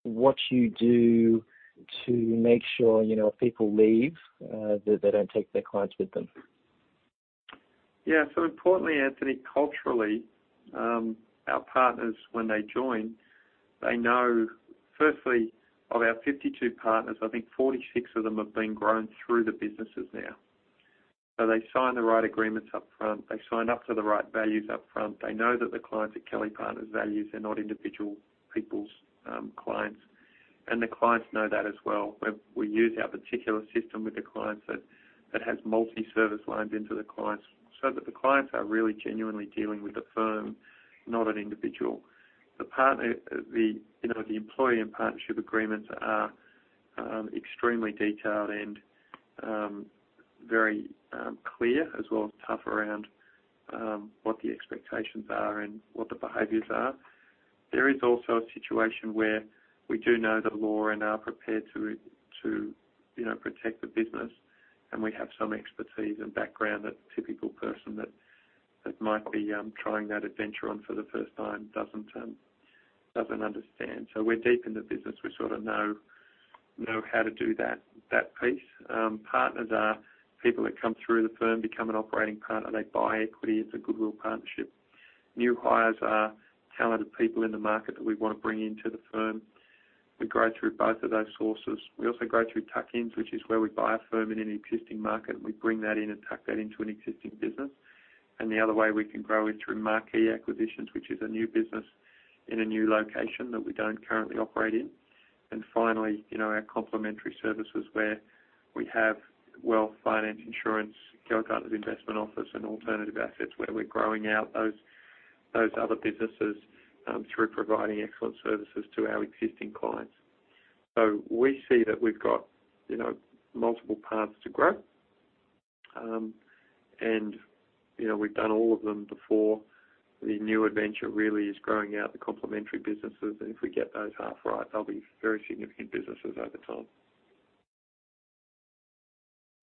Speaker 5: what you do to make sure, you know, if people leave, that they don't take their clients with them?
Speaker 2: Yeah. Importantly, Anthony, culturally, our partners, when they join, they know firstly, of our 52 partners, I think 46 of them have been grown through the businesses now. They sign the right agreements up front. They sign up to the right values up front. They know that the clients are Kelly Partners values. They're not individual people's clients, and the clients know that as well. We, we use our particular system with the clients that has multi-service lines into the clients so that the clients are really genuinely dealing with the firm, not an individual. The partner, the, you know, the employee and partnership agreements are extremely detailed and very clear, as well as tough around what the expectations are and what the behaviors are. There is also a situation where we do know the law and are prepared to, you know, protect the business, and we have some expertise and background that a typical person that might be trying that adventure on for the first time doesn't understand. We're deep in the business. We sorta know how to do that piece. Partners are people that come through the firm, become an operating partner. They buy equity. It's a goodwill partnership. New hires are talented people in the market that we wanna bring into the firm. We grow through both of those sources. We also grow through tuck-ins, which is where we buy a firm in an existing market, and we bring that in and tuck that into an existing business. The other way we can grow is through marquee acquisitions, which is a new business in a new location that we don't currently operate in. Finally, you know, our complementary services where we have wealth, finance, insurance, Kelly Partners Investment Office, and alternative assets where we're growing out those other businesses through providing excellent services to our existing clients. We see that we've got, you know, multiple paths to grow. You know, we've done all of them before. The new adventure really is growing out the complementary businesses, and if we get those half right, they'll be very significant businesses over time.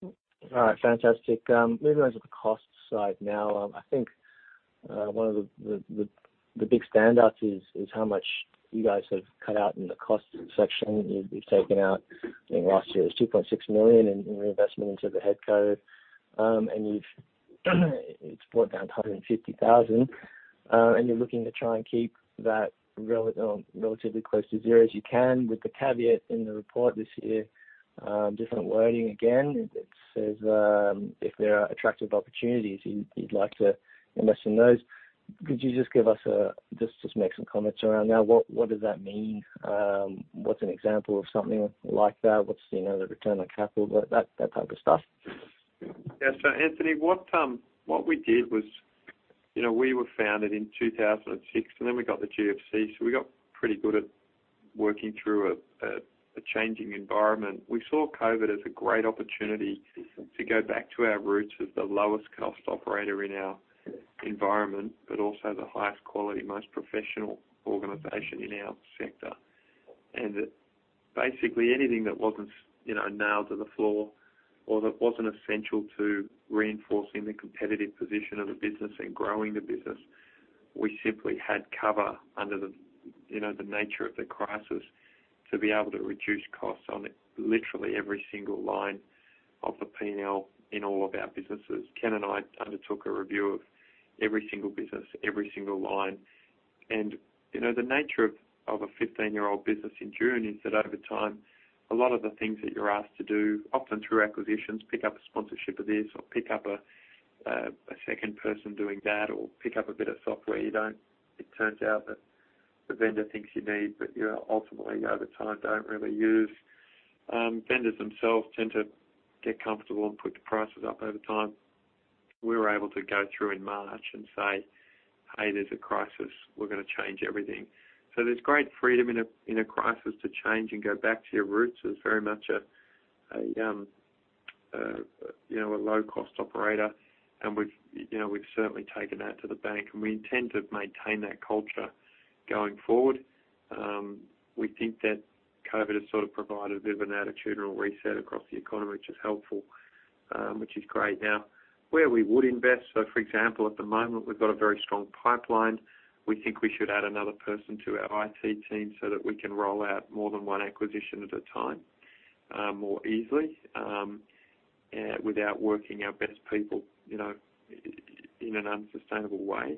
Speaker 5: All right. Fantastic. Moving on to the cost side now. I think one of the big standouts is how much you guys have cut out in the cost section. You've taken out, I think last year it was $2.6 million in reinvestment into the head count. You've it's brought down to $150,000. You're looking to try and keep that relatively close to zero as you can with the caveat in the report this year. Different wording again. It says, "If there are attractive opportunities you'd like to invest in those." Could you just give us just make some comments around that? What does that mean? What's an example of something like that? What's, you know, the return on capital, that type of stuff.
Speaker 2: Yeah. Anthony, what we did was, you know, we were founded in 2006, we got the GFC, we got pretty good at working through a changing environment. We saw COVID as a great opportunity to go back to our roots as the lowest cost operator in our environment, but also the highest quality, most professional organization in our sector. Basically anything that wasn't, you know, nailed to the floor or that wasn't essential to reinforcing the competitive position of the business and growing the business, we simply had cover under the, you know, the nature of the crisis to be able to reduce costs on literally every single line of the P&L in all of our businesses. Ken and I undertook a review of every single business, every single line. You know, the nature of a 15-year-old business in June is that over time, a lot of the things that you're asked to do, often through acquisitions, pick up a sponsorship of this, or pick up a second person doing that, or pick up a bit of software you don't. It turns out that the vendor thinks you need, but you ultimately, over time, don't really use. Vendors themselves tend to get comfortable and put the prices up over time. We were able to go through in March and say, "Hey, there's a crisis. We're gonna change everything." There's great freedom in a crisis to change and go back to your roots. It's very much a, you know, a low-cost operator. We've, you know, we've certainly taken that to the bank, and we intend to maintain that culture going forward. We think that COVID has sort of provided a bit of an attitudinal reset across the economy, which is helpful, which is great. Where we would invest, so for example, at the moment, we've got a very strong pipeline. We think we should add another person to our IT team so that we can roll out more than one acquisition at a time, more easily, without working our best people, you know, in an unsustainable way.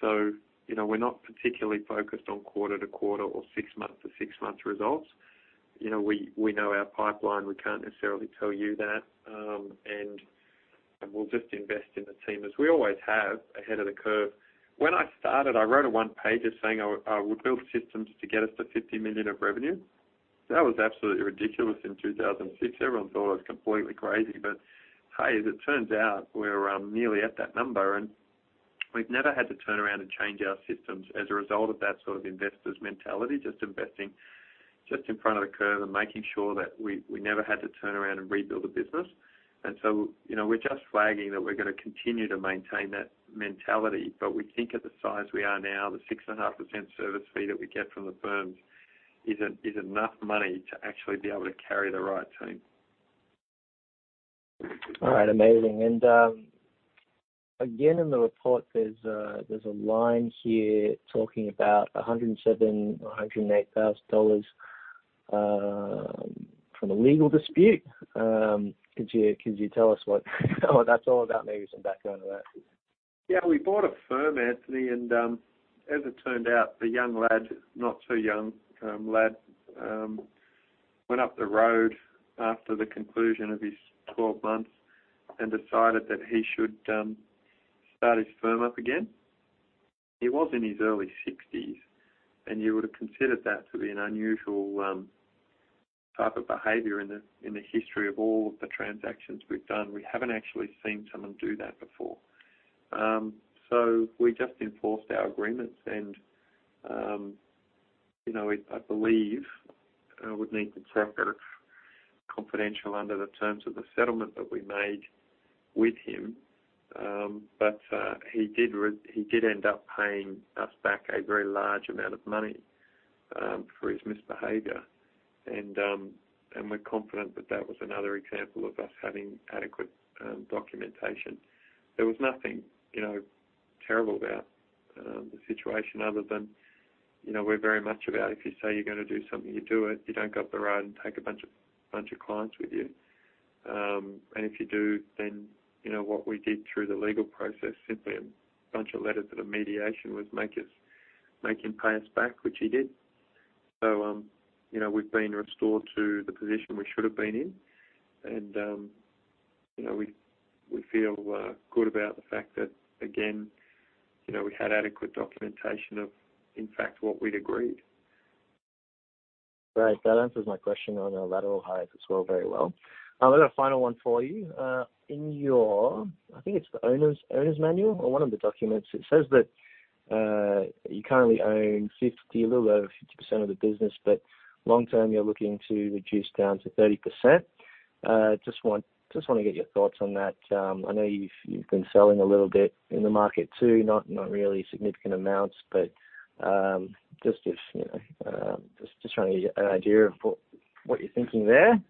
Speaker 2: So, you know, we're not particularly focused on quarter to quarter or six months to six months results. You know, we know our pipeline. We can't necessarily tell you that. We'll just invest in the team as we always have ahead of the curve. When I started, I wrote a one-pager saying I would build systems to get us to 50 million of revenue. That was absolutely ridiculous in 2006. Everyone thought I was completely crazy. Hey, as it turns out, we're nearly at that number, and we've never had to turn around and change our systems as a result of that sort of investor's mentality, just investing just in front of the curve and making sure that we never had to turn around and rebuild a business. You know, we're just flagging that we're gonna continue to maintain that mentality. We think at the size we are now, the 6.5% service fee that we get from the firms is enough money to actually be able to carry the right team.
Speaker 5: All right, amazing. Again, in the report, there's a line here talking about 107,000-108,000 dollars from a legal dispute. Could you tell us what that's all about? Maybe some background to that.
Speaker 2: Yeah. We bought a firm, Anthony, and, as it turned out, the young lad, not too young, lad, went up the road after the conclusion of his 12 months and decided that he should start his firm up again. He was in his early 60s, and you would have considered that to be an unusual type of behavior in the, in the history of all of the transactions we've done. We haven't actually seen someone do that before. We just enforced our agreements and, you know, I believe we'd need to check if confidential under the terms of the settlement that we made with him. He did end up paying us back a very large amount of money for his misbehavior. We're confident that that was another example of us having adequate documentation. There was nothing, you know, terrible about the situation other than, you know, we're very much about if you say you're gonna do something, you do it. You don't go up the road and take a bunch of clients with you. If you do, then, you know what we did through the legal process, simply a bunch of letters to the mediation was make him pay us back, which he did. You know, we've been restored to the position we should have been in. You know, we feel good about the fact that, again, you know, we had adequate documentation of, in fact, what we'd agreed.
Speaker 5: Great. That answers my question on our lateral hires as well very well. I've got a final one for you. In your, I think it's the owner's manual or one of the documents, it says that you currently own 50, a little over 50% of the business, but long-term, you're looking to reduce down to 30%. Just wanna get your thoughts on that. I know you've been selling a little bit in the market, too. Not really significant amounts, but, just if, you know, just trying to get an idea of what you're thinking there.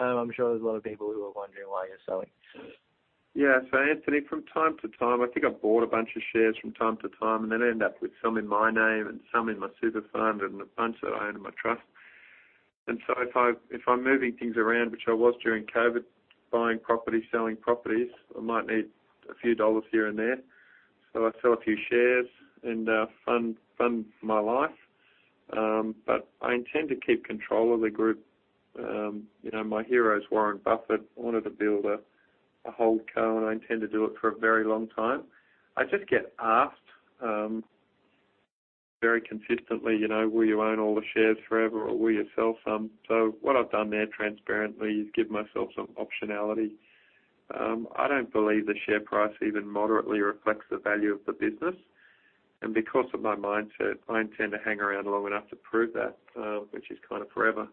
Speaker 5: I'm sure there's a lot of people who are wondering why you're selling.
Speaker 2: Anthony, from time to time, I think I bought a bunch of shares from time to time, and then I end up with some in my name and some in my super fund and a bunch that I own in my trust. If I'm moving things around, which I was during COVID, buying property, selling properties, I might need a few dollars here and there. I sell a few shares and fund my life. I intend to keep control of the group. You know, my hero is Warren Buffett. I wanted to build a whole co, and I intend to do it for a very long time. I just get asked, very consistently, you know, "Will you own all the shares forever or will you sell some?" What I've done there transparently is give myself some optionality. I don't believe the share price even moderately reflects the value of the business. Because of my mindset, I intend to hang around long enough to prove that, which is kinda forever.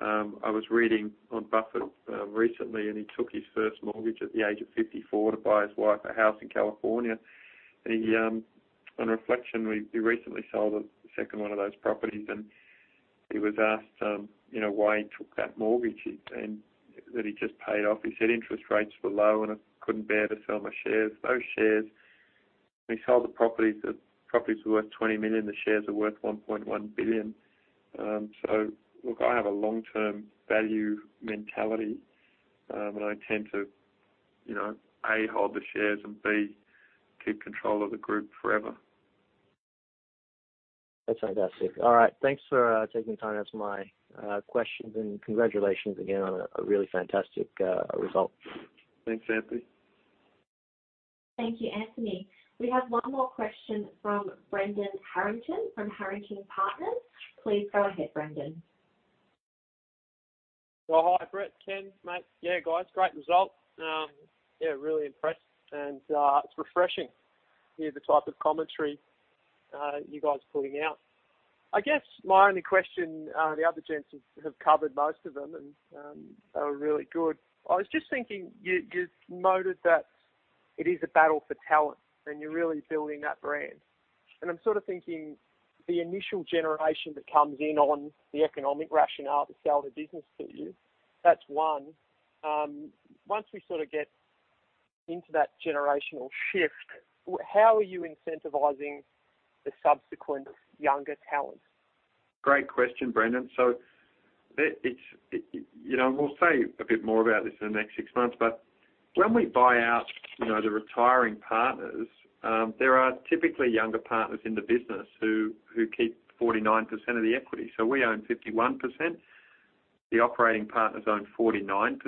Speaker 2: I was reading on Buffett recently, he took his first mortgage at the age of 54 to buy his wife a house in California. He, on reflection, we recently sold a second one of those properties, he was asked, you know, why he took that mortgage and that he just paid off. He said interest rates were low, I couldn't bear to sell my shares. Those shares, he sold the properties. The properties were worth 20 million. The shares are worth 1.1 billion. Look, I have a long-term value mentality, and I tend to, you know, A, hold the shares and B, keep control of the group forever.
Speaker 5: That's fantastic. All right, thanks for taking the time. That's my questions. Congratulations again on a really fantastic result.
Speaker 2: Thanks Anthony.
Speaker 1: Thank you, Anthony. We have one more question from Brendan Harrington from Harrington Partners. Please go ahead, Brendan.
Speaker 6: Hi Brett, Kenneth, Mate. Yeah, guys great result. Yeah, really impressed and it's refreshing to hear the type of commentary you guys are putting out. I guess my only question, the other gents have covered most of them, and they were really good. I was just thinking, you noted that it is a battle for talent and you're really building that brand. I'm sort of thinking the initial generation that comes in on the economic rationale to sell their business to you, that's one. Once we sort of get into that generational shift, how are you incentivizing the subsequent younger talent?
Speaker 2: Great question Brendan. You know, we'll say a bit more about this in the next six months, but when we buy out, you know, the retiring partners, there are typically younger partners in the business who keep 49% of the equity. We own 51%, the operating partners own 49%.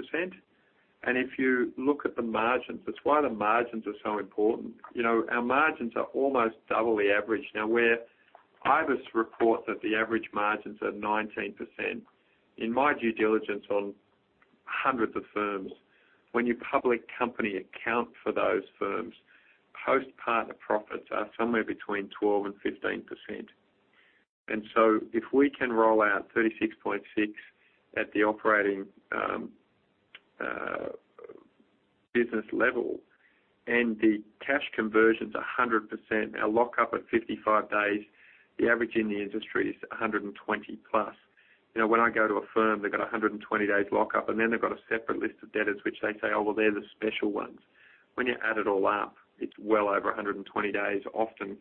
Speaker 2: If you look at the margins, that's why the margins are so important. You know, our margins are almost double the average. Where IBISWorld report that the average margins are 19%, in my due diligence on hundreds of firms, when you public company account for those firms, post-partner profits are somewhere between 12% and 15%. If we can roll out 36.6 at the operating business level, and the cash conversion's 100%, our lockup at 55 days, the average in the industry is 120+. You know, when I go to a firm, they've got 120 days lockup, and then they've got a separate list of debtors, which they say, "Oh, well, they're the special ones." When you add it all up, it's well over 120 days, often,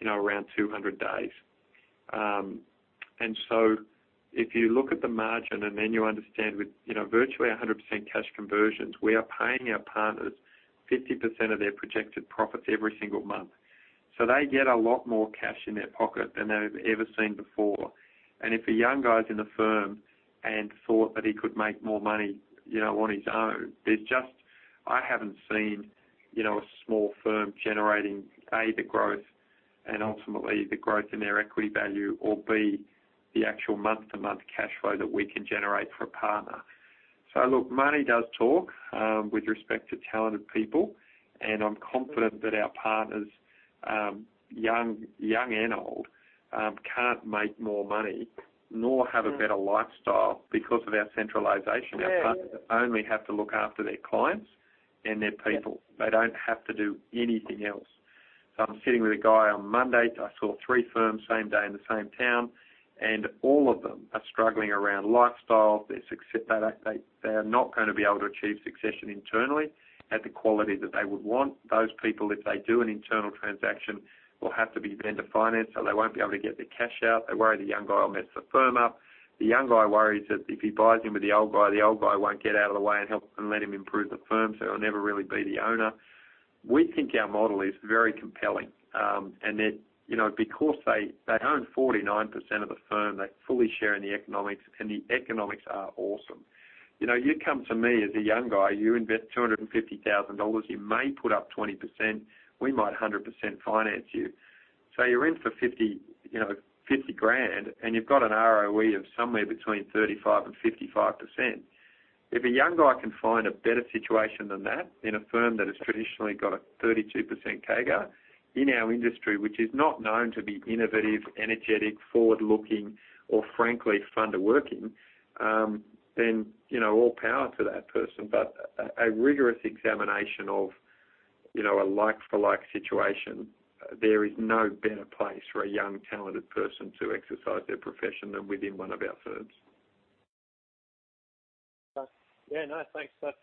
Speaker 2: you know, around 200 days. If you look at the margin and then you understand with, you know, virtually 100% cash conversions, we are paying our partners 50% of their projected profits every single month. They get a lot more cash in their pocket than they've ever seen before. If a young guy's in the firm and thought that he could make more money, you know, on his own, there's just. I haven't seen, you know, a small firm generating, A, the growth and ultimately the growth in their equity value or B, the actual month-to-month cash flow that we can generate for a partner. Look, money does talk with respect to talented people, and I'm confident that our partners, young and old, can't make more money nor have a better lifestyle because of our centralization.
Speaker 6: Yeah, yeah.
Speaker 2: Our partners only have to look after their clients and their people. They don't have to do anything else. I'm sitting with a guy on Monday. I saw three firms same day in the same town, and all of them are struggling around lifestyle. They are not gonna be able to achieve succession internally at the quality that they would want. Those people, if they do an internal transaction, will have to be vendor financed, so they won't be able to get their cash out. They worry the young guy will mess the firm up. The young guy worries that if he buys in with the old guy, the old guy won't get out of the way and help, and let him improve the firm, so he'll never really be the owner. We think our model is very compelling. Then, you know, because they own 49% of the firm, they fully share in the economics, the economics are awesome. You know, you come to me as a young guy, you invest 250,000 dollars, you may put up 20%, we might 100% finance you. You're in for 50,000, you know, 50 grand, you've got an ROE of somewhere between 35% and 55%. If a young guy can find a better situation than that in a firm that has traditionally got a 32% CAGR in our industry, which is not known to be innovative, energetic, forward-looking, or frankly fun to working, then, you know, all power to that person. A rigorous examination of, you know, a like-for-like situation, there is no better place for a young, talented person to exercise their profession than within one of our firms.
Speaker 6: Yeah. No thanks. That's,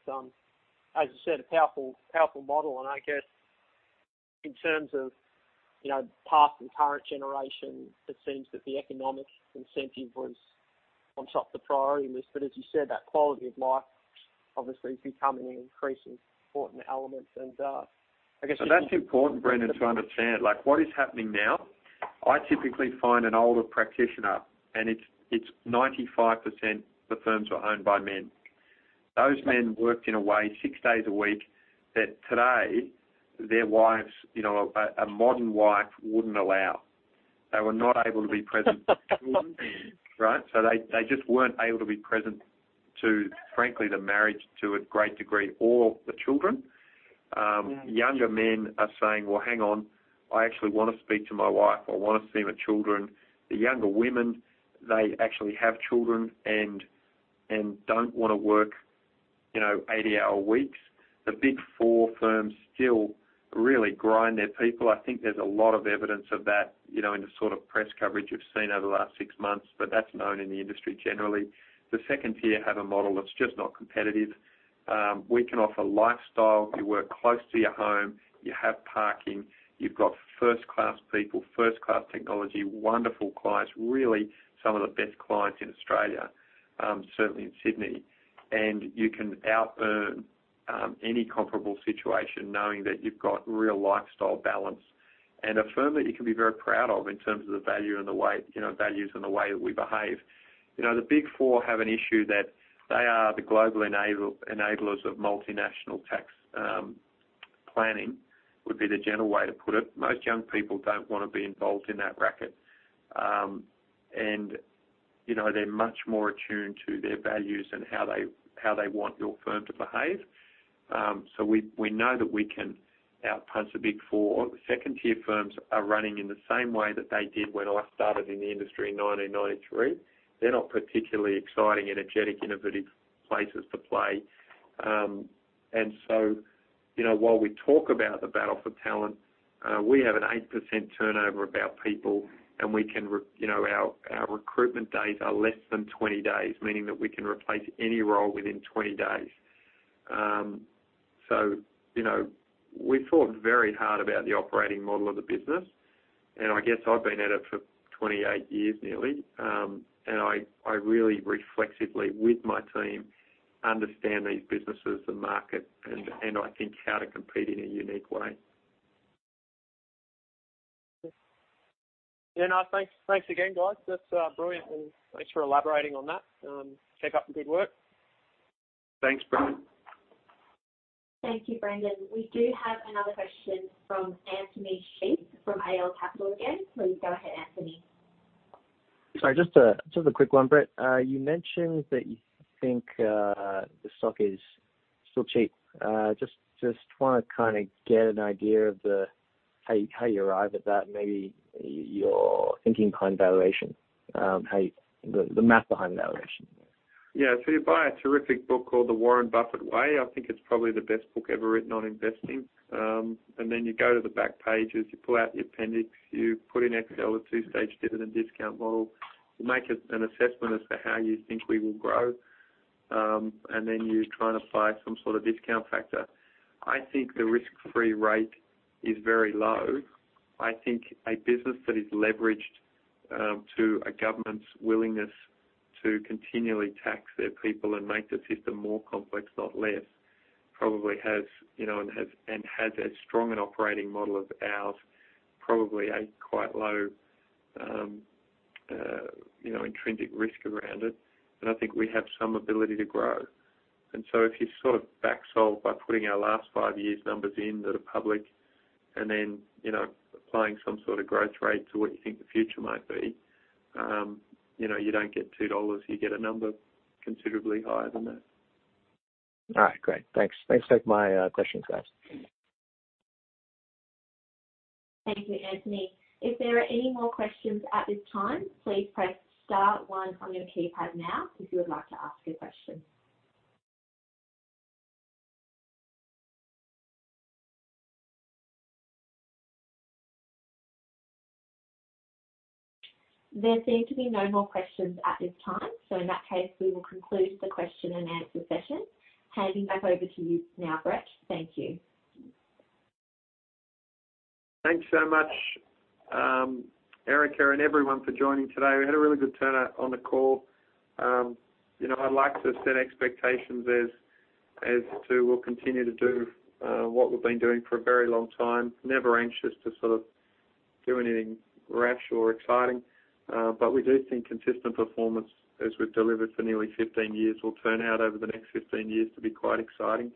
Speaker 6: as you said, a powerful model. I guess in terms of, you know, past and current generation, it seems that the economic incentive was on top of the priority list, but as you said, that quality of life obviously is becoming an increasingly important element.
Speaker 2: That's important Brendan, to understand, like, what is happening now, I typically find an older practitioner, and it's 95% the firms are owned by men. Those men worked in a way, six days a week, that today their wives, you know, a modern wife wouldn't allow. They were not able to be present. Right? They just weren't able to be present to, frankly the marriage to a great degree, or the children. Younger men are saying, "Well, hang on, I actually wanna speak to my wife. I wanna see my children." The younger women, they actually have children and don't wanna work, you know, 80-hour weeks. The Big Four firms still really grind their people. I think there's a lot of evidence of that, you know, in the sort of press coverage you've seen over the last 6 months, but that's known in the industry generally. The second tier have a model that's just not competitive. We can offer lifestyle. You work close to your home. You have parking. You've got first-class people, first-class technology, wonderful clients, really some of the best clients in Australia, certainly in Sydney. And you can out earn any comparable situation knowing that you've got real lifestyle balance and a firm that you can be very proud of in terms of the value and the way, you know, values and the way that we behave. The Big Four have an issue that they are the global enablers of multinational tax planning, would be the general way to put it. Most young people don't wanna be involved in that racket. You know, they're much more attuned to their values and how they, how they want your firm to behave. We know that we can outpace the Big Four. The second-tier firms are running in the same way that they did when I started in the industry in 1993. They're not particularly exciting, energetic, innovative places to play. You know, while we talk about the battle for talent, we have an 8% turnover of our people, and we can, you know, our recruitment days are less than 20 days, meaning that we can replace any role within 20 days. You know, we've thought very hard about the operating model of the business, and I guess I've been at it for 28 years nearly, and I really reflexively, with my team, understand these businesses, the market, and I think how to compete in a unique way.
Speaker 6: Yeah, no thanks, thanks again guys. That's brilliant and thanks for elaborating on that. Keep up the good work.
Speaker 2: Thanks Brendan.
Speaker 1: Thank you Brendan. We do have another question from Anthony Sheath from AL Capital again. Please go ahead, Anthony.
Speaker 5: Sorry, just a quick one Brett. You mentioned that you think the stock is still cheap. Just wanna kinda get an idea of the, how you arrive at that, maybe your thinking behind valuation, the math behind the valuation.
Speaker 2: Yeah. You buy a terrific book called The Warren Buffett Way. I think it's probably the best book ever written on investing. You go to the back pages, you pull out the appendix, you put in Excel a two-stage dividend discount model. You make an assessment as to how you think we will grow, you try and apply some sort of discount factor. I think the risk-free rate is very low. I think a business that is leveraged to a government's willingness to continually tax their people and make the system more complex, not less, probably has, you know, and has as strong an operating model as ours, probably a quite low, you know, intrinsic risk around it. I think we have some ability to grow. If you sort of back solve by putting our last five years' numbers in that are public and then, you know, applying some sort of growth rate to what you think the future might be, you know, you don't get 2 dollars, you get a number considerably higher than that.
Speaker 5: All right, great. Thanks. Thanks for taking my questions, guys.
Speaker 1: Thank you Anthony. If there are any more questions at this time, please press star one on your keypad now if you would like to ask a question. There seem to be no more questions at this time. In that case, we will conclude the question and answer session. Handing back over to you now, Brett. Thank you.
Speaker 2: Thanks so much Erica and everyone for joining today. We had a really good turnout on the call. You know, I'd like to set expectations as to we'll continue to do what we've been doing for a very long time. Never anxious to sort of do anything rash or exciting, but we do think consistent performance as we've delivered for nearly 15 years will turn out over the next 15 years to be quite exciting.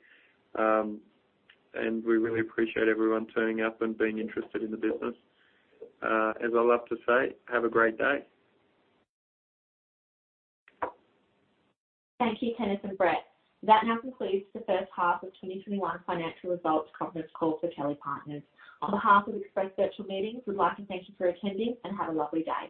Speaker 2: We really appreciate everyone turning up and being interested in the business. As I love to say, have a great day.
Speaker 1: Thank you Kenneth and Brett. That now concludes the first half of 2021 financial results conference call for Kelly Partners. On behalf of Express Virtual Meetings, we'd like to thank you for attending and have a lovely day.